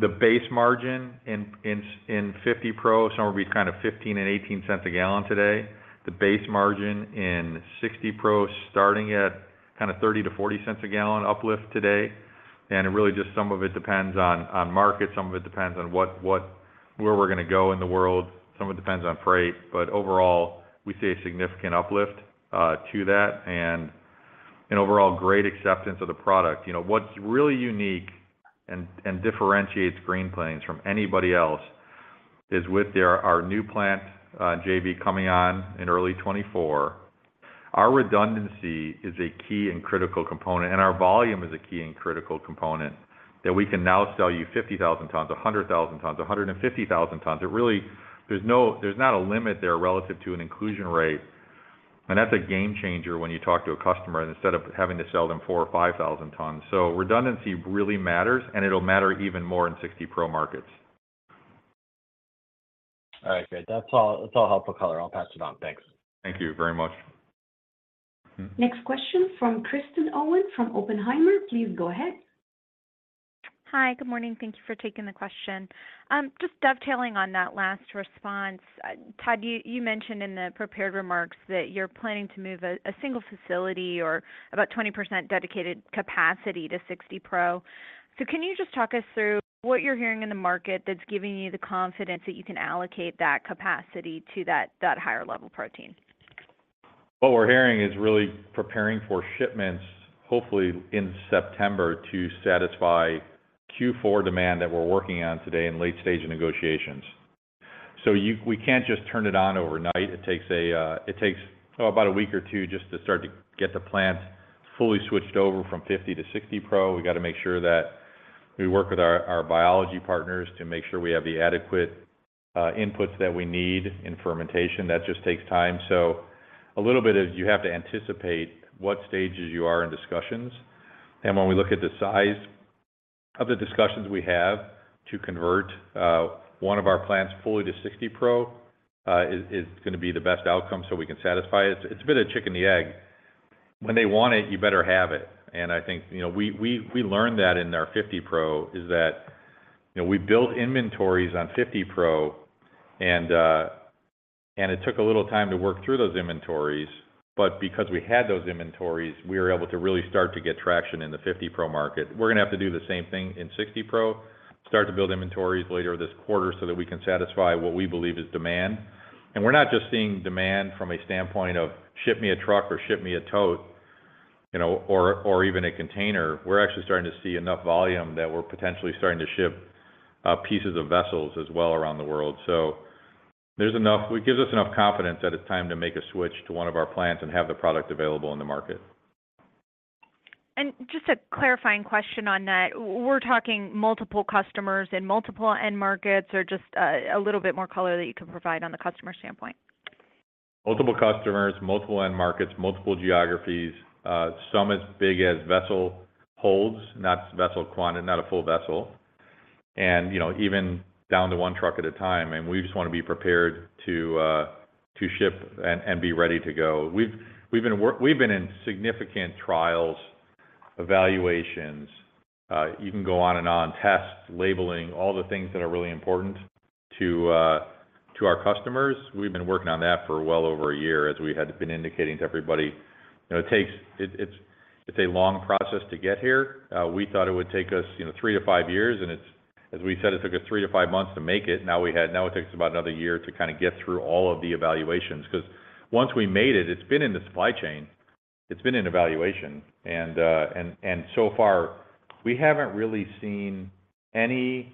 the base margin in 50 Pro, somewhere between kind of $0.15 and $0.18 a gallon today. The base margin in 60 Pro, starting at kind of $0.30-$0.40 a gallon uplift today. It really just some of it depends on market, some of it depends on what where we're gonna go in the world, some of it depends on freight. Overall, we see a significant uplift to that and an overall great acceptance of the product. You know, what's really unique and, and differentiates Green Plains from anybody else, is with our new plant JV coming on in early 2024, our redundancy is a key and critical component, and our volume is a key and critical component, that we can now sell you 50,000 tons, 100,000 tons, 150,000 tons. There's not a limit there relative to an inclusion rate, and that's a game changer when you talk to a customer, instead of having to sell them 4,000 or 5,000 tons. Redundancy really matters, and it'll matter even more in 60 Pro markets. All right, great. That's all, that's all helpful color. I'll pass it on. Thanks. Thank you very much. Next question from Kristen Owen from Oppenheimer. Please go ahead. Hi, good morning. Thank you for taking the question. Just dovetailing on that last response, Todd, you, you mentioned in the prepared remarks that you're planning to move a single facility or about 20% dedicated capacity to 60 Pro. So can you just talk us through what you're hearing in the market that's giving you the confidence that you can allocate that capacity to that, that higher level protein? What we're hearing is really preparing for shipments, hopefully in September, to satisfy Q4 demand that we're working on today in late stage negotiations. We can't just turn it on overnight. It takes about a week or two just to start to get the plant fully switched over from fifty to 60 Pro. We got to make sure that we work with our, our biology partners to make sure we have the adequate inputs that we need in fermentation. That just takes time. A little bit is you have to anticipate what stages you are in discussions. When we look at the size of the discussions we have to convert one of our plants fully to 60 Pro is gonna be the best outcome so we can satisfy it. It's a bit of the chicken and the egg. When they want it, you better have it. I think, you know, we, we, we learned that in our 50 Pro, is that, you know, we built inventories on 50 Pro, and it took a little time to work through those inventories, but because we had those inventories, we were able to really start to get traction in the 50 Pro market. We're gonna have to do the same thing in 60 Pro, start to build inventories later this quarter so that we can satisfy what we believe is demand. We're not just seeing demand from a standpoint of, "Ship me a truck or ship me a tote," you know, or, or even a container. We're actually starting to see enough volume that we're potentially starting to ship pieces of vessels as well around the world. It gives us enough confidence that it's time to make a switch to one of our plants and have the product available in the market. Just a clarifying question on that. We're talking multiple customers in multiple end markets, or just a little bit more color that you can provide on the customer standpoint? Multiple customers, multiple end markets, multiple geographies, some as big as vessel holds, not vessel quantity, not a full vessel. You know, even down to 1 truck at a time, and we just wanna be prepared to ship and be ready to go. We've been in significant trials, evaluations, you can go on and on, tests, labeling, all the things that are really important to our customers. We've been working on that for well over a year, as we had been indicating to everybody. You know, it's a long process to get here. We thought it would take us, you know, three to five years, as we said, it took us three to five months to make it. Now it takes about another year to kind of get through all of the evaluations, 'cause once we made it, it's been in the supply chain, it's been in evaluation. So far, we haven't really seen any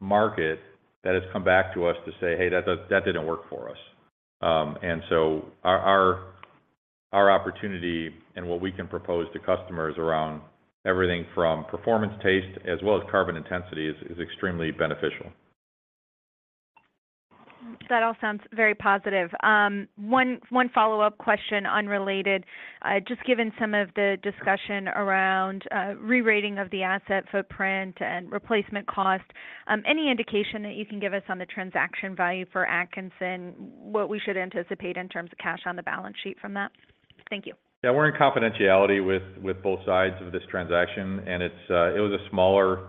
market that has come back to us to say, "Hey, that, that didn't work for us." Our, our, our opportunity and what we can propose to customers around everything from performance taste as well as carbon intensity is, is extremely beneficial. That all sounds very positive. One, one follow-up question, unrelated. Just given some of the discussion around rerating of the asset footprint and replacement cost, any indication that you can give us on the transaction value for Atkinson? What we should anticipate in terms of cash on the balance sheet from that? Thank you. Yeah, we're in confidentiality with, with both sides of this transaction, and it's, it was a smaller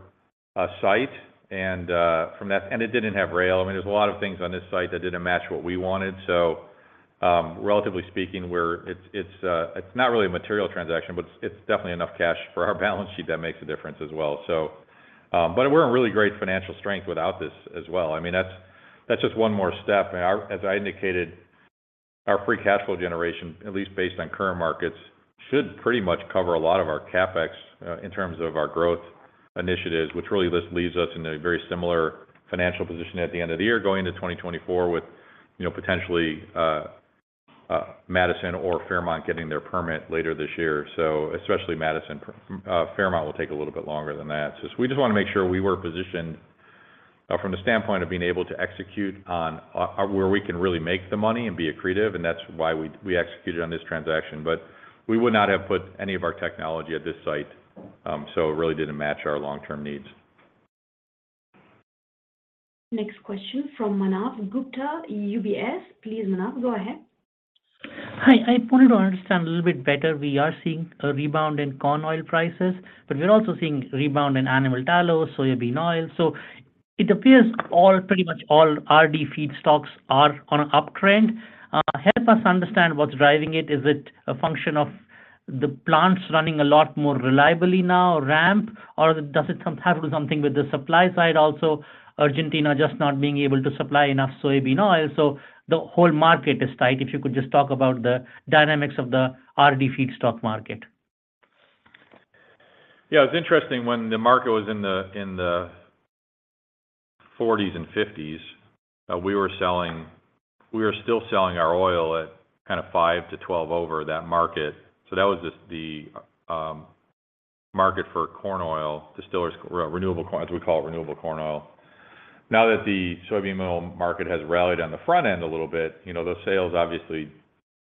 site, and it didn't have rail. I mean, there's a lot of things on this site that didn't match what we wanted. Relatively speaking, it's not really a material transaction, but it's definitely enough cash for our balance sheet that makes a difference as well. We're in really great financial strength without this as well. I mean, that's, that's just one more step. Our-- As I indicated, our free cash flow generation, at least based on current markets, should pretty much cover a lot of our CapEx in terms of our growth initiatives, which really just leaves us in a very similar financial position at the end of the year, going into 2024 with, you know, potentially Madison or Fairmont getting their permit later this year. Especially Madison, Fairmont will take a little bit longer than that. We just wanna make sure we were positioned from the standpoint of being able to execute on where we can really make the money and be accretive, and that's why we, we executed on this transaction. We would not have put any of our technology at this site. It really didn't match our long-term needs. Next question from Manav Gupta, UBS. Please, Manav, go ahead. Hi. I wanted to understand a little bit better. We are seeing a rebound in corn oil prices, but we're also seeing rebound in animal tallow, soybean oil. It appears all, pretty much all RD feedstocks are on an uptrend. Help us understand what's driving it. Is it a function of the plants running a lot more reliably now or ramp, or does it have something with the supply side? Argentina just not being able to supply enough soybean oil, so the whole market is tight. If you could just talk about the dynamics of the RD feedstock market. Yeah, it's interesting. When the market was in the 40s and 50s, we were selling-- we were still selling our oil at kind of five to 12 over that market. That was just the market for corn oil, distillers, re-renewable corn, as we call it, renewable corn oil. Now that the soybean oil market has rallied on the front end a little bit, you know, those sales, obviously,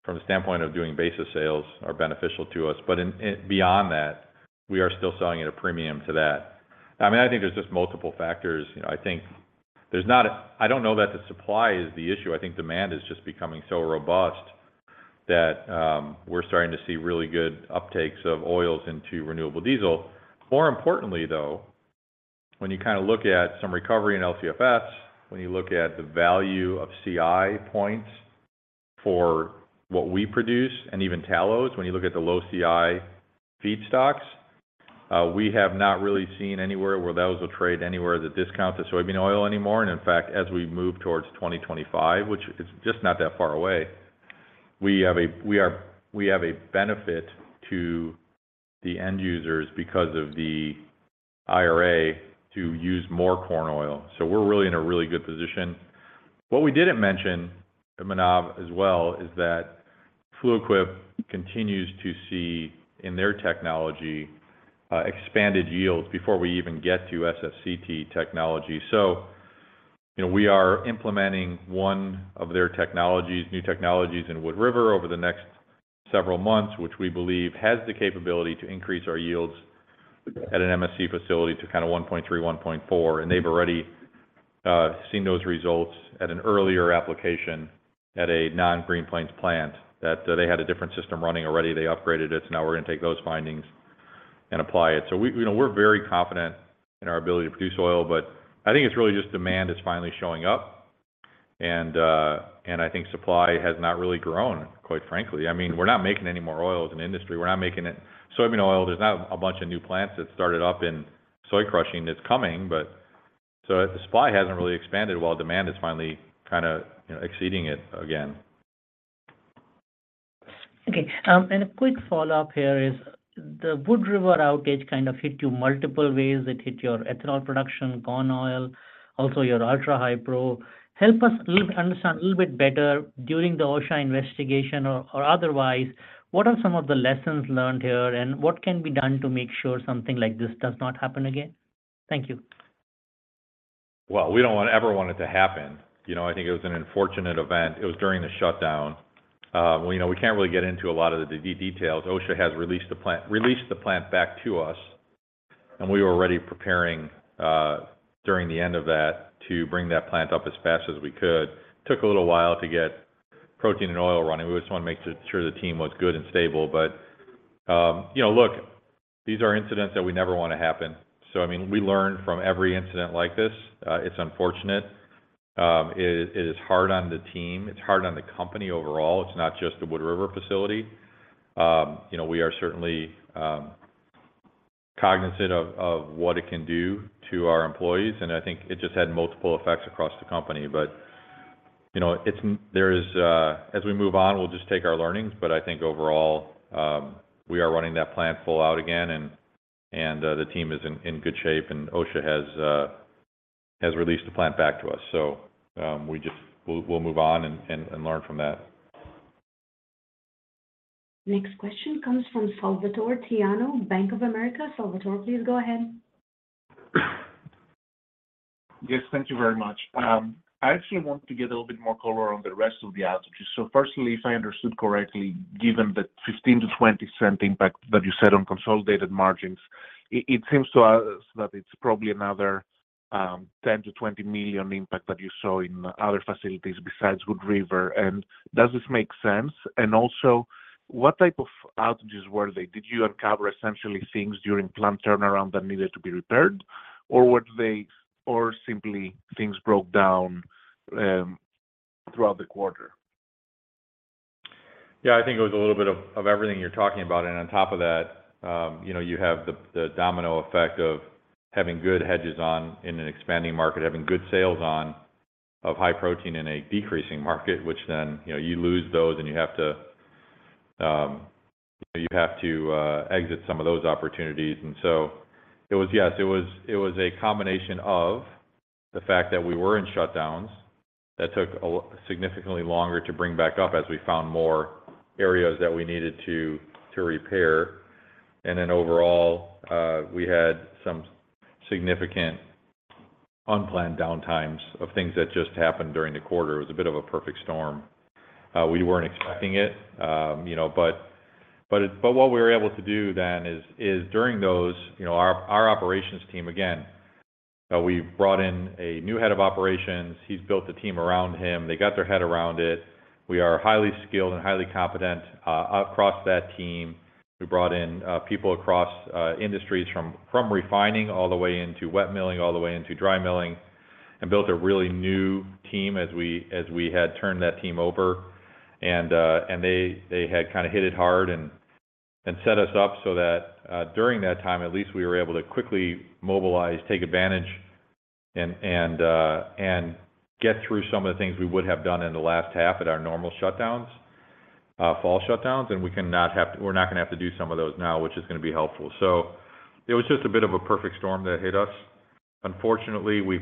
from the standpoint of doing basis sales, are beneficial to us. In beyond that, we are still selling at a premium to that. I mean, I think there's just multiple factors. You know, I think there's not a-- I don't know that the supply is the issue. I think demand is just becoming so robust that we're starting to see really good uptakes of oils into renewable diesel. More importantly, though, when you kind of look at some recovery in LCFS, when you look at the value of CI points for what we produce and even tallows, when you look at the low CI feedstocks, we have not really seen anywhere where those will trade anywhere that discounts the soybean oil anymore. In fact, as we move towards 2025, which is just not that far away, we have a benefit to the end users because of the IRA to use more corn oil. We're really in a really good position. What we didn't mention, Manav, as well, is that Fluid Quip continues to see in their technology, expanded yields before we even get to SFCT technology. You know, we are implementing one of their technologies, new technologies in Wood River over the next several months, which we believe has the capability to increase our yields at an MSC facility to kinda 1.3, 1.4, and they've already seen those results at an earlier application at a non-Green Plains plant, that they had a different system running already. They upgraded it, now we're gonna take those findings and apply it. We, you know, we're very confident in our ability to produce oil, but I think it's really just demand that's finally showing up, and I think supply has not really grown, quite frankly. I mean, we're not making any more oils in the industry. We're not making it-- Soybean oil, there's not a bunch of new plants that started up in soy crushing that's coming, but... The supply hasn't really expanded while demand is finally kinda, you know, exceeding it again. Okay, and a quick follow-up here is, the Wood River outage kind of hit you multiple ways. It hit your ethanol production, corn oil, also your Ultra-High Pro. Help us little understand a little bit better during the OSHA investigation or, or otherwise, what are some of the lessons learned here, and what can be done to make sure something like this does not happen again? Thank you. Well, we don't ever want it to happen. You know, I think it was an unfortunate event. It was during the shutdown. Well, you know, we can't really get into a lot of the details. OSHA has released the plant, released the plant back to us. We were already preparing during the end of that to bring that plant up as fast as we could. Took a little while to get protein and oil running. We just wanna make sure the team was good and stable, but, you know, look, these are incidents that we never wanna happen. I mean, we learn from every incident like this. It's unfortunate. It, it is hard on the team, it's hard on the company overall. It's not just the Wood River facility. You know, we are certainly, cognizant of, of what it can do to our employees, and I think it just had multiple effects across the company. You know, there is, as we move on, we'll just take our learnings. I think overall, we are running that plant full out again, and, and, the team is in, in good shape, and OSHA has, has released the plant back to us. We'll, we'll move on and, and, and learn from that. Next question comes from Salvatore Tiano, Bank of America. Salvatore, please go ahead. Yes, thank you very much. I actually want to get a little bit more color on the rest of the outages. Firstly, if I understood correctly, given the $0.15-$0.20 impact that you said on consolidated margins, it seems to us that it's probably another $10 million-$20 million impact that you saw in other facilities besides Wood River. Does this make sense? Also, what type of outages were they? Did you uncover essentially things during plant turnaround that needed to be repaired, or simply things broke down throughout the quarter? Yeah, I think it was a little bit of everything you're talking about. On top of that, you know, you have the, the domino effect of having good hedges on in an expanding market, having good sales on of high protein in a decreasing market, which then, you know, you lose those and you have to, you know, you have to exit some of those opportunities. So it was. Yes, it was, it was a combination of the fact that we were in shutdowns that took significantly longer to bring back up as we found more areas that we needed to, to repair. Then overall, we had some significant unplanned downtimes of things that just happened during the quarter. It was a bit of a perfect storm. We weren't expecting it, you know, what we were able to do then is, is during those, you know, our operations team, again, we brought in a new head of operations. He's built a team around him. They got their head around it. We are highly skilled and highly competent across that team. We brought in people across industries from refining all the way into wet milling, all the way into dry milling, and built a really new team as we had turned that team over. They, they had kind of hit it hard and, and set us up so that, during that time, at least, we were able to quickly mobilize, take advantage, and, and get through some of the things we would have done in the last half at our normal shutdowns, fall shutdowns. We're not gonna have to do some of those now, which is gonna be helpful. It was just a bit of a perfect storm that hit us. Unfortunately, we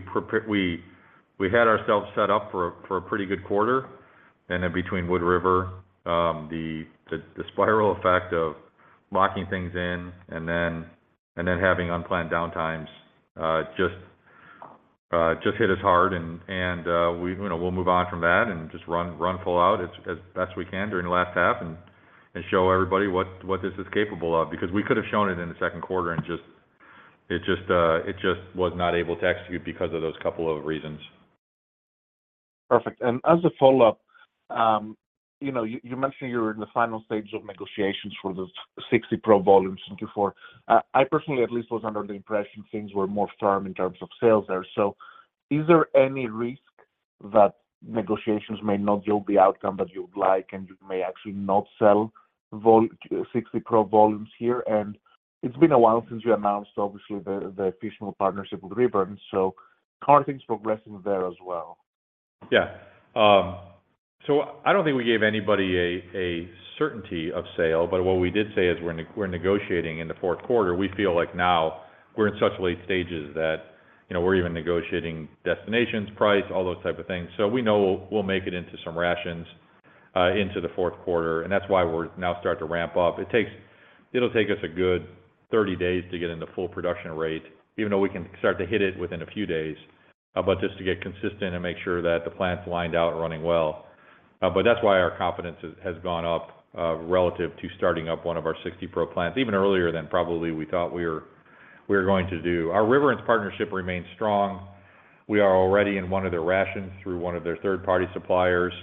had ourselves set up for a pretty good quarter, and then between Wood River, the spiral effect of locking things in and then, and then having unplanned downtimes, just hit us hard. We, you know, we'll move on from that and just run, run full out as, as best we can during the last half and, and show everybody what, what this is capable of. We could have shown it in the second quarter and it just was not able to execute because of those couple of reasons. Perfect. As a follow-up, you know, you mentioned you're in the final stages of negotiations for the 60 Pro volumes in Q4. I personally, at least, was under the impression things were more firm in terms of sales there. Is there any risk that negotiations may not yield the outcome that you would like, and you may actually not sell 60 Pro volumes here? It's been a while since you announced, obviously, the fish meal partnership with Riverence, so how are things progressing there as well? Yeah. I don't think we gave anybody a certainty of sale, but what we did say is we're negotiating in the fourth quarter. We feel like now we're in such late stages that, you know, we're even negotiating destinations, price, all those type of things. We know we'll make it into some rations into the fourth quarter, and that's why we're now starting to ramp up. It'll take us a good 30 days to get into full production rate, even though we can start to hit it within a few days, but just to get consistent and make sure that the plant's lined out and running well. That's why our confidence has, has gone up, relative to starting up one of our 60 Pro plants, even earlier than probably we thought we were, we were going to do. Our Riverence partnership remains strong. We are already in one of their rations through one of their third-party suppliers.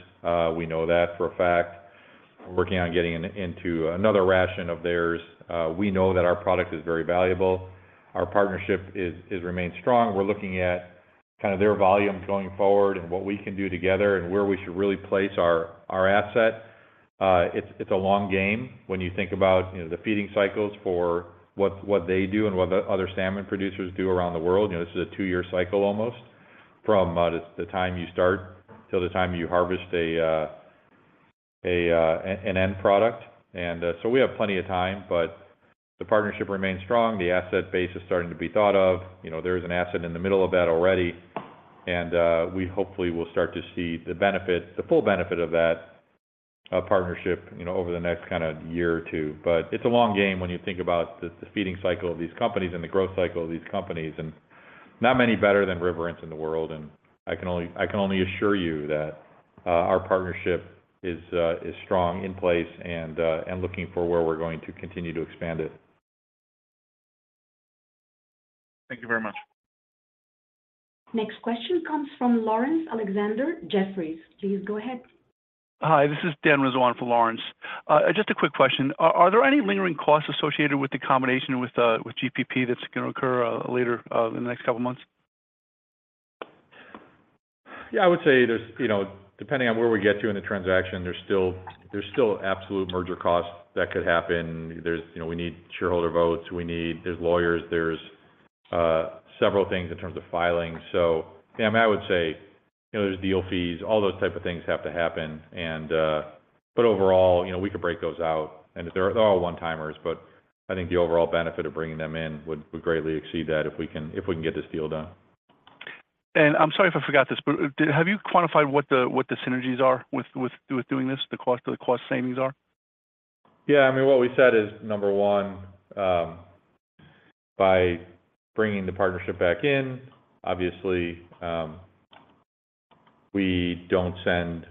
We know that for a fact. We're working on getting in, into another ration of theirs. We know that our product is very valuable. Our partnership is, is remained strong. We're looking at kind of their volume going forward and what we can do together and where we should really place our, our asset. It's, it's a long game when you think about, you know, the feeding cycles for what, what they do and what the other salmon producers do around the world. You know, this is a two-year cycle almost, from the time you start till the time you harvest an end product. We have plenty of time, but the partnership remains strong. The asset base is starting to be thought of. You know, there is an asset in the middle of that already, and we hopefully will start to see the benefit, the full benefit of that partnership, you know, over the next kind of year or two. It's a long game when you think about the feeding cycle of these companies and the growth cycle of these companies, and not many better than Riverence in the world.I can only, I can only assure you that, our partnership is, is strong in place and, and looking for where we're going to continue to expand it. Thank you very much. Next question comes from Laurence Alexander, Jefferies. Please go ahead. Hi, this is Dan Rowan for Laurence. Just a quick question. Are, are there any lingering costs associated with the combination with GPP that's going to occur later in the next couple of months? Yeah, I would say there's, you know, depending on where we get to in the transaction, there's still, there's still absolute merger costs that could happen. There's, you know, we need shareholder votes, there's lawyers, there's several things in terms of filings. Yeah, I mean, I would say, you know, there's deal fees, all those type of things have to happen. But overall, you know, we could break those out, and they're all one-timers, but I think the overall benefit of bringing them in would, would greatly exceed that if we can, if we can get this deal done. I'm sorry if I forgot this, but have you quantified what the, what the synergies are with doing this, the cost, what the cost savings are? Yeah, I mean, what we said is, number one, by bringing the partnership back in, obviously, we don't send,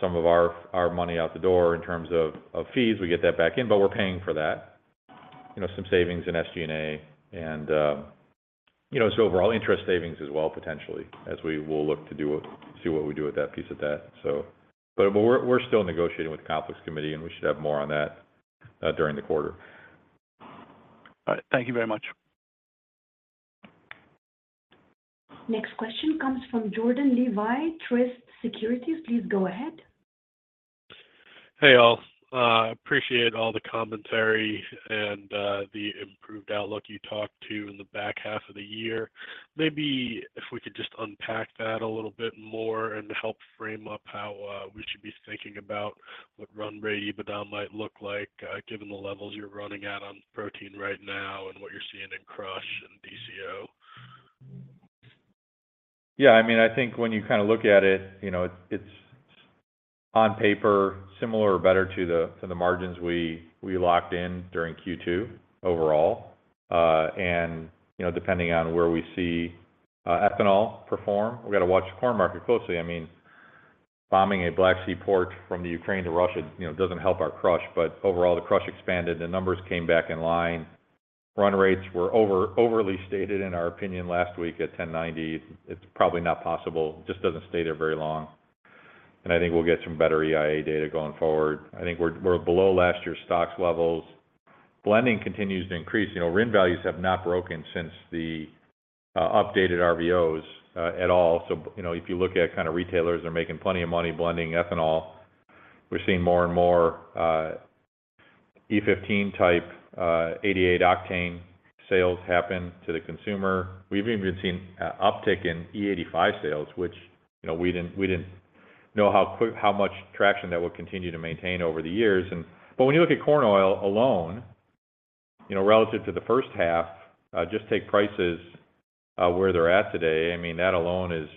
some of our, our money out the door in terms of, of fees. We get that back in, but we're paying for that. You know, some savings in SG&A, and, you know, so overall interest savings as well, potentially, as we will look to do see what we do with that piece of that. But we're, we're still negotiating with the Conflicts Committee, and we should have more on that during the quarter. All right. Thank you very much. Next question comes from Jordan Levy, Truist Securities. Please go ahead. Hey, all. Appreciate all the commentary and the improved outlook you talked to in the back half of the year. Maybe if we could just unpack that a little bit more and help frame up how we should be thinking about what run rate EBITDA might look like, given the levels you're running at on protein right now and what you're seeing in crush and DCO. Yeah, I mean, I think when you kind of look at it, you know, it's, it's on paper, similar or better to the, to the margins we, we locked in during Q2 overall. You know, depending on where we see ethanol perform, we've got to watch the corn market closely. I mean, bombing a Black Sea port from the Ukraine to Russia, you know, doesn't help our crush. Overall, the crush expanded, the numbers came back in line. Run rates were overly stated, in our opinion, last week at 1090. It's probably not possible, it just doesn't stay there very long, and I think we'll get some better EIA data going forward. I think we're below last year's stocks levels. Blending continues to increase. You know, RIN values have not broken since the updated RVOs at all. You know, if you look at kind of retailers, they're making plenty of money blending ethanol. We're seeing more and more E15 type 88 octane sales happen to the consumer. We've even seen a uptick in E85 sales, which, you know, we didn't, we didn't know how much traction that would continue to maintain over the years. When you look at corn oil alone, you know, relative to the first half, just take prices where they're at today, I mean, that alone is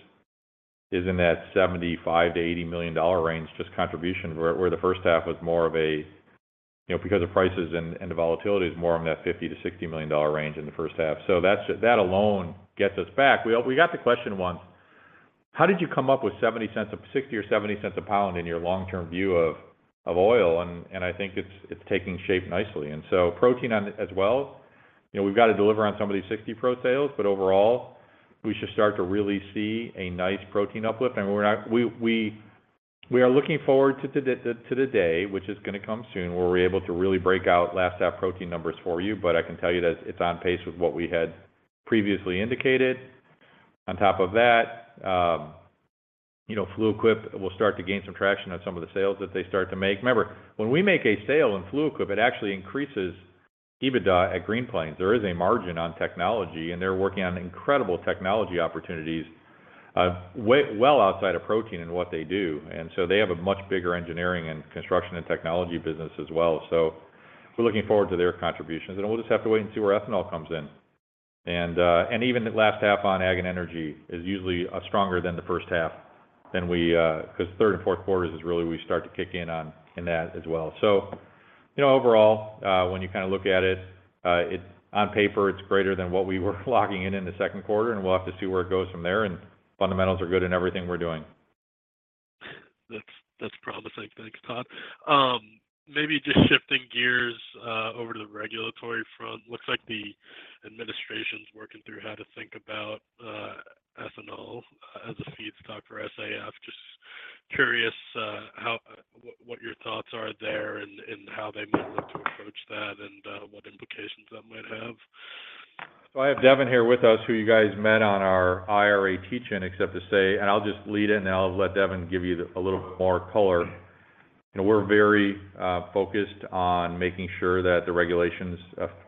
in that $75 million-$80 million range, just contribution, where the first half was more of a. You know, because the prices and the volatility is more of that $50 million-$60 million range in the first half. That alone gets us back. We got the question once, "How did you come up with $0.70-- $0.60 or $0.70 a pound in your long-term view of, of oil?" I think it's taking shape nicely. So protein on as well, you know, we've got to deliver on some of these 60 Pro sales, but overall, we should start to really see a nice protein uplift. We're not-- we are looking forward to the, to the day, which is going to come soon, where we're able to really break out last half protein numbers for you, but I can tell you that it's on pace with what we had previously indicated. On top of that, you know, Fluid Quip will start to gain some traction on some of the sales that they start to make. Remember, when we make a sale in Fluid Quip, it actually increases EBITDA at Green Plains. There is a margin on technology, and they're working on incredible technology opportunities, way well outside of protein and what they do. So they have a much bigger engineering and construction and technology business as well. So we're looking forward to their contributions, and we'll just have to wait and see where ethanol comes in. Even the last half on ag and energy is usually stronger than the first half than we. Third and fourth quarters is really we start to kick in on, in that as well. You know, overall, when you kind of look at it, it's on paper, it's greater than what we were logging in in the second quarter, and we'll have to see where it goes from there, and fundamentals are good in everything we're doing. That's, that's promising. Thanks, Todd. Maybe just shifting gears, over to the regulatory front. Looks like the administration's working through how to think about ethanol as a feedstock for SAF. Just curious, how, what, what your thoughts are there and, and how they might look to approach that and, what implications that might have? I have Devin here with us, who you guys met on our IRA teach-in. I'll just lead in, and I'll let Devin give you a little more color. You know, we're very focused on making sure that the regulations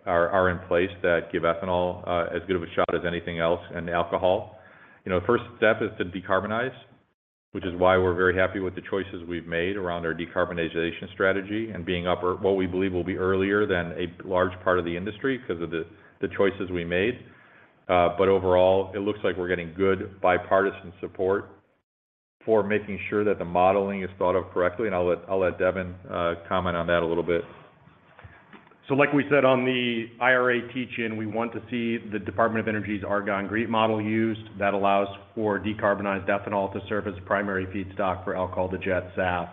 are in place that give ethanol as good of a shot as anything else, and alcohol. You know, the first step is to decarbonize, which is why we're very happy with the choices we've made around our decarbonization strategy and being upper, what we believe will be earlier than a large part of the industry because of the choices we made. Overall, it looks like we're getting good bipartisan support for making sure that the modeling is thought of correctly, and I'll let Devin comment on that a little bit. Like we said on the IRA teach-in, we want to see the Department of Energy's Argonne GREET Model used. That allows for decarbonized ethanol to serve as a primary feedstock for alcohol-to-jet SAF.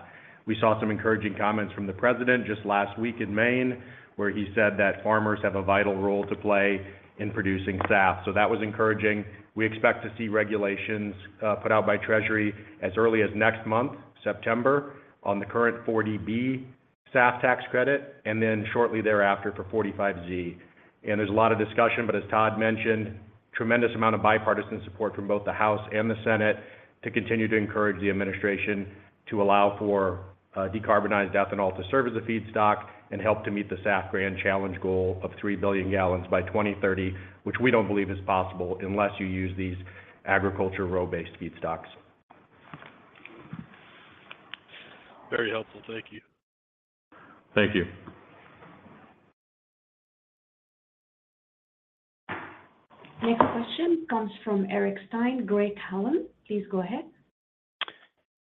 We saw some encouraging comments from the President just last week in Maine, where he said that farmers have a vital role to play in producing SAF. That was encouraging. We expect to see regulations, put out by Treasury as early as next month, September, on the current 40B SAF tax credit, and then shortly thereafter for 45Z. There's a lot of discussion, but as Todd mentioned, tremendous amount of bipartisan support from both the House and the Senate to continue to encourage the administration to allow for decarbonized ethanol to serve as a feedstock and help to meet the SAF Grand Challenge goal of three billion gallons by 2030, which we don't believe is possible unless you use these agriculture row-based feedstocks. Very helpful. Thank you. Thank you. Next question comes from Eric Stine, Craig-Hallum. Please go ahead.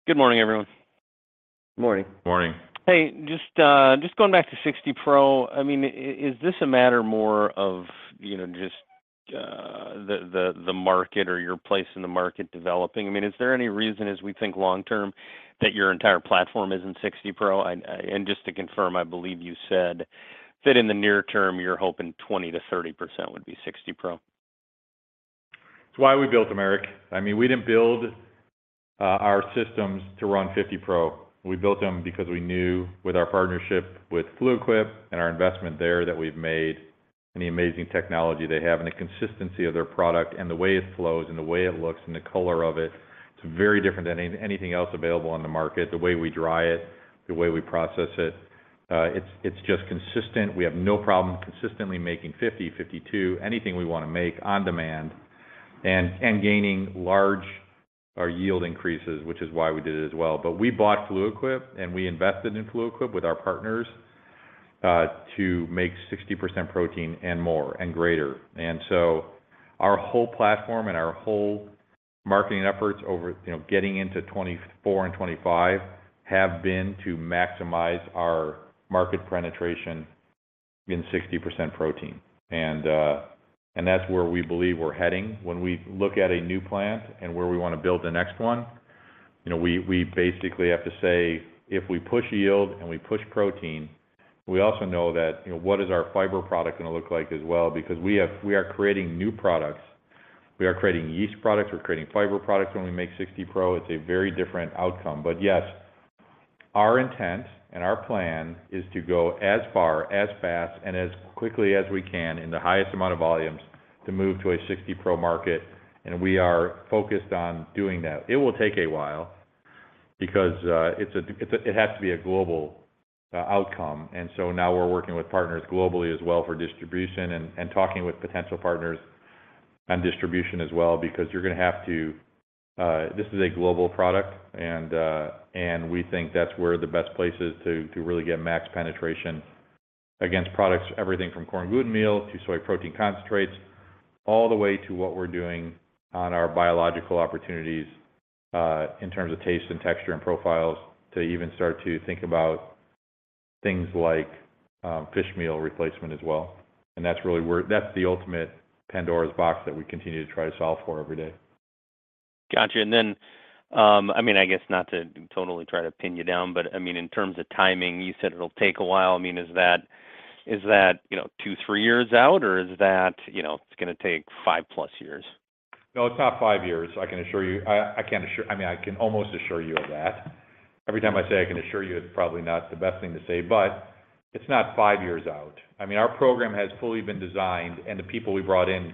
Good morning, everyone. Morning. Morning. Hey, just, just going back to 60-Pro, I mean, is this a matter more of, you know, the, the, the market or your place in the market developing? I mean, is there any reason as we think long term that your entire platform is in 60 Pro? Just to confirm, I believe you said that in the near term, you're hoping 20%-30% would be 60-Pro. It's why we built them, Eric. I mean, we didn't build our systems to run 50-Pro. We built them because we knew with our partnership with Fluid Quip and our investment there, that we've made, and the amazing technology they have, and the consistency of their product, and the way it flows, and the way it looks, and the color of it, it's very different than anything else available on the market. The way we dry it, the way we process it, it's, it's just consistent. We have no problem consistently making 50-Pro, 52-Pro, anything we wanna make on demand, and gaining large yield increases, which is why we did it as well. We bought Fluid Quip, and we invested in Fluid Quip with our partners to make 60% protein and more and greater. Our whole platform and our whole marketing efforts over, you know, getting into 2024 and 2025, have been to maximize our market penetration in 60% protein. That's where we believe we're heading. When we look at a new plant and where we wanna build the next one, you know, we basically have to say, if we push yield and we push protein, we also know that, you know, what is our fiber product gonna look like as well? We are creating new products. We are creating yeast products, we're creating fiber products. When we make 60-Pro, it's a very different outcome. Yes, our intent and our plan is to go as far, as fast, and as quickly as we can in the highest amount of volumes to move to a 60 Pro market, and we are focused on doing that. It will take a while because it has to be a global outcome. Now we're working with partners globally as well for distribution and, and talking with potential partners on distribution as well because you're gonna have to... This is a global product, and we think that's where the best place is to, to really get max penetration against products, everything from corn gluten meal to soy protein concentrates, all the way to what we're doing on our biological opportunities in terms of taste and texture and profiles, to even start to think about things like fish meal replacement as well. That's really where that's the ultimate Pandora's box that we continue to try to solve for every day. Got you. I mean, I guess not to totally try to pin you down, but I mean, in terms of timing, you said it'll take a while. I mean, is that, is that, you know, two, three years out, or is that, you know, it's gonna take 5+ years? No, it's not five years, I can assure you. I can't assure I mean, I can almost assure you of that. Every time I say I can assure you, it's probably not the best thing to say, but it's not five years out. I mean, our program has fully been designed, and the people we brought in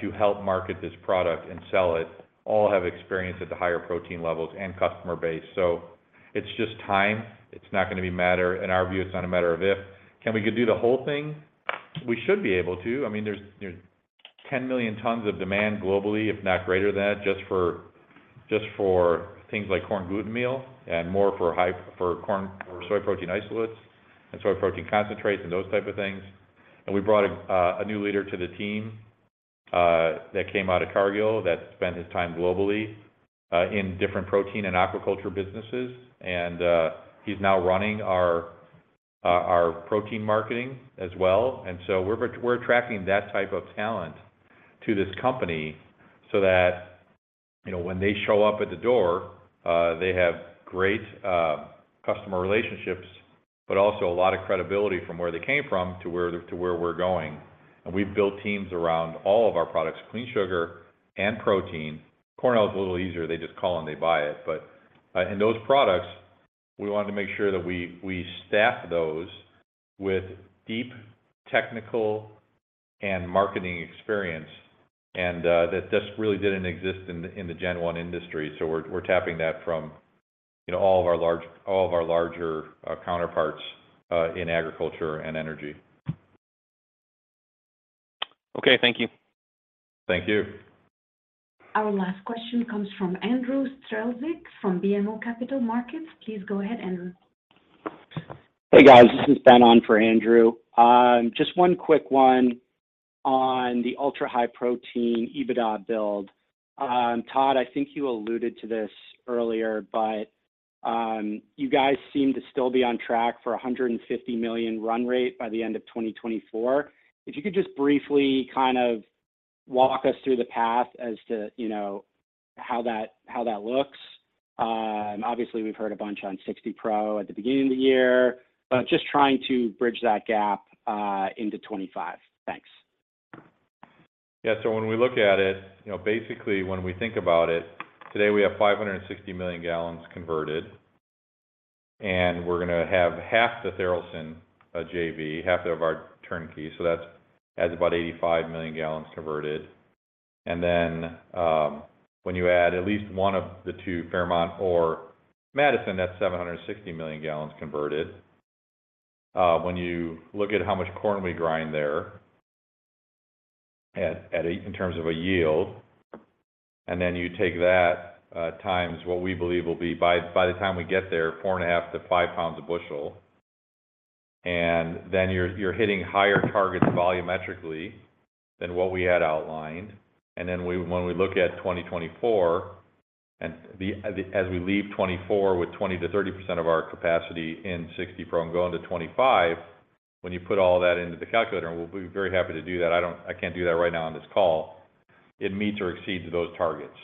to help market this product and sell it, all have experience at the higher protein levels and customer base. It's just time. It's not gonna be matter. In our view, it's not a matter of if. Can we do the whole thing? We should be able to. I mean, there's, there's 10 million tons of demand globally, if not greater than that, just for, just for things like corn gluten meal and more for high for corn or soy protein isolates and soy protein concentrates and those type of things. We brought a new leader to the team, that came out of Cargill, that spent his time globally, in different protein and aquaculture businesses, and he's now running our protein marketing as well. We're attracting that type of talent to this company so that, you know, when they show up at the door, they have great customer relationships, but also a lot of credibility from where they came from to where, to where we're going. We've built teams around all of our products, Clean Sugar and protein. Corn oil is a little easier. They just call and they buy it. In those products, we wanted to make sure that we, we staff those with deep technical and marketing experience, and that this really didn't exist in the Gen 1 industry. We're tapping that from, you know, all of our larger counterparts in agriculture and energy. Okay, thank you. Thank you. Our last question comes from Andrew Strelzik from BMO Capital Markets. Please go ahead, Andrew. Hey, guys. This is Ben on for Andrew. Just one quick one on the Ultra-High Protein EBITDA build. Todd, I think you alluded to this earlier, but you guys seem to still be on track for a $150 million run rate by the end of 2024. If you could just briefly kind of walk us through the path as to, you know, how that, how that looks. Obviously, we've heard a bunch on 60 Pro at the beginning of the year, but just trying to bridge that gap into 2025. Thanks. Yeah, so when we look at it, you know, basically, when we think about it, today, we have 560 million gallons converted, and we're gonna have half the Tharaldson JV, half of our turnkey. That's, adds about 85 million gallons converted. Then, when you add at least one of the two, Fairmont or Madison, that's 760 million gallons converted. When you look at how much corn we grind there, in terms of a yield, and then you take that times what we believe will be, by, by the time we get there, 4.5 pounds-5 pounds a bushel, and then you're, you're hitting higher targets volumetrically than what we had outlined. When we look at 2024, and the, as we leave 2024 with 20%-30% of our capacity in 60 Pro and going to 2025, when you put all that into the calculator, and we'll be very happy to do that. I can't do that right now on this call. It meets or exceeds those targets,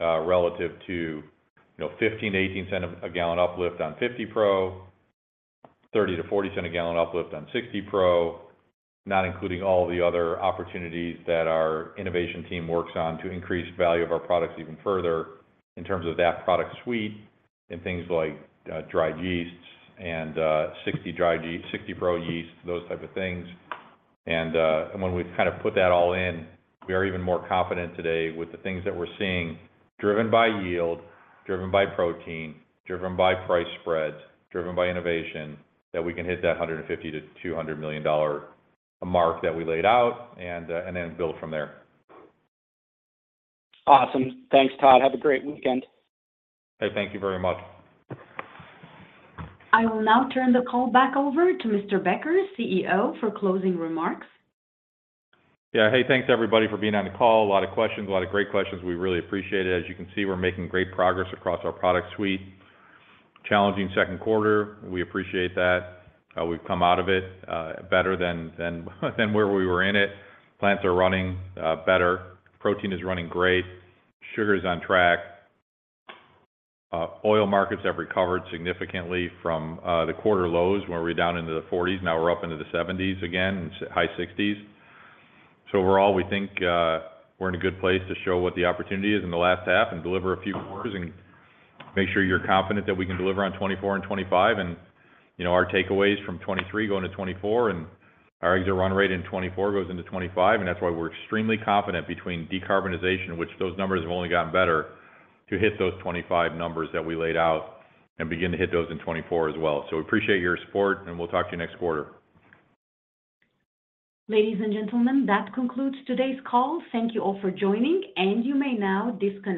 relative to, you know, $0.15-$0.18 a gallon uplift on 50 pro, $0.30-$0.40 a gallon uplift on 60 Pro, not including all the other opportunities that our innovation team works on to increase value of our products even further in terms of that product suite and things like, dried yeasts and, 60 Pro yeast, those type of things. When we've kind of put that all in, we are even more confident today with the things that we're seeing, driven by yield, driven by protein, driven by price spreads, driven by innovation, that we can hit that $150 million-$200 million mark that we laid out and, and then build from there. Awesome. Thanks, Todd. Have a great weekend. Hey, thank you very much. I will now turn the call back over to Mr. Becker, CEO, for closing remarks. Yeah. Hey, thanks, everybody, for being on the call. A lot of questions, a lot of great questions. We really appreciate it. As you can see, we're making great progress across our product suite. Challenging second quarter, we appreciate that. We've come out of it, better than, than, than where we were in it. Plants are running, better, protein is running great, sugar is on track. Oil markets have recovered significantly from the quarter lows, when we were down into the 40s. Now we're up into the 70s again, and high 60s. Overall, we think, we're in a good place to show what the opportunity is in the last half and deliver a few quarters and make sure you're confident that we can deliver on 2024 and 2025. You know, our takeaways from 2023 going to 2024, and our exit run rate in 2024 goes into 2025, and that's why we're extremely confident between decarbonization, which those numbers have only gotten better, to hit those 2025 numbers that we laid out and begin to hit those in 2024 as well. We appreciate your support, and we'll talk to you next quarter. Ladies and gentlemen, that concludes today's call. Thank you all for joining, and you may now disconnect.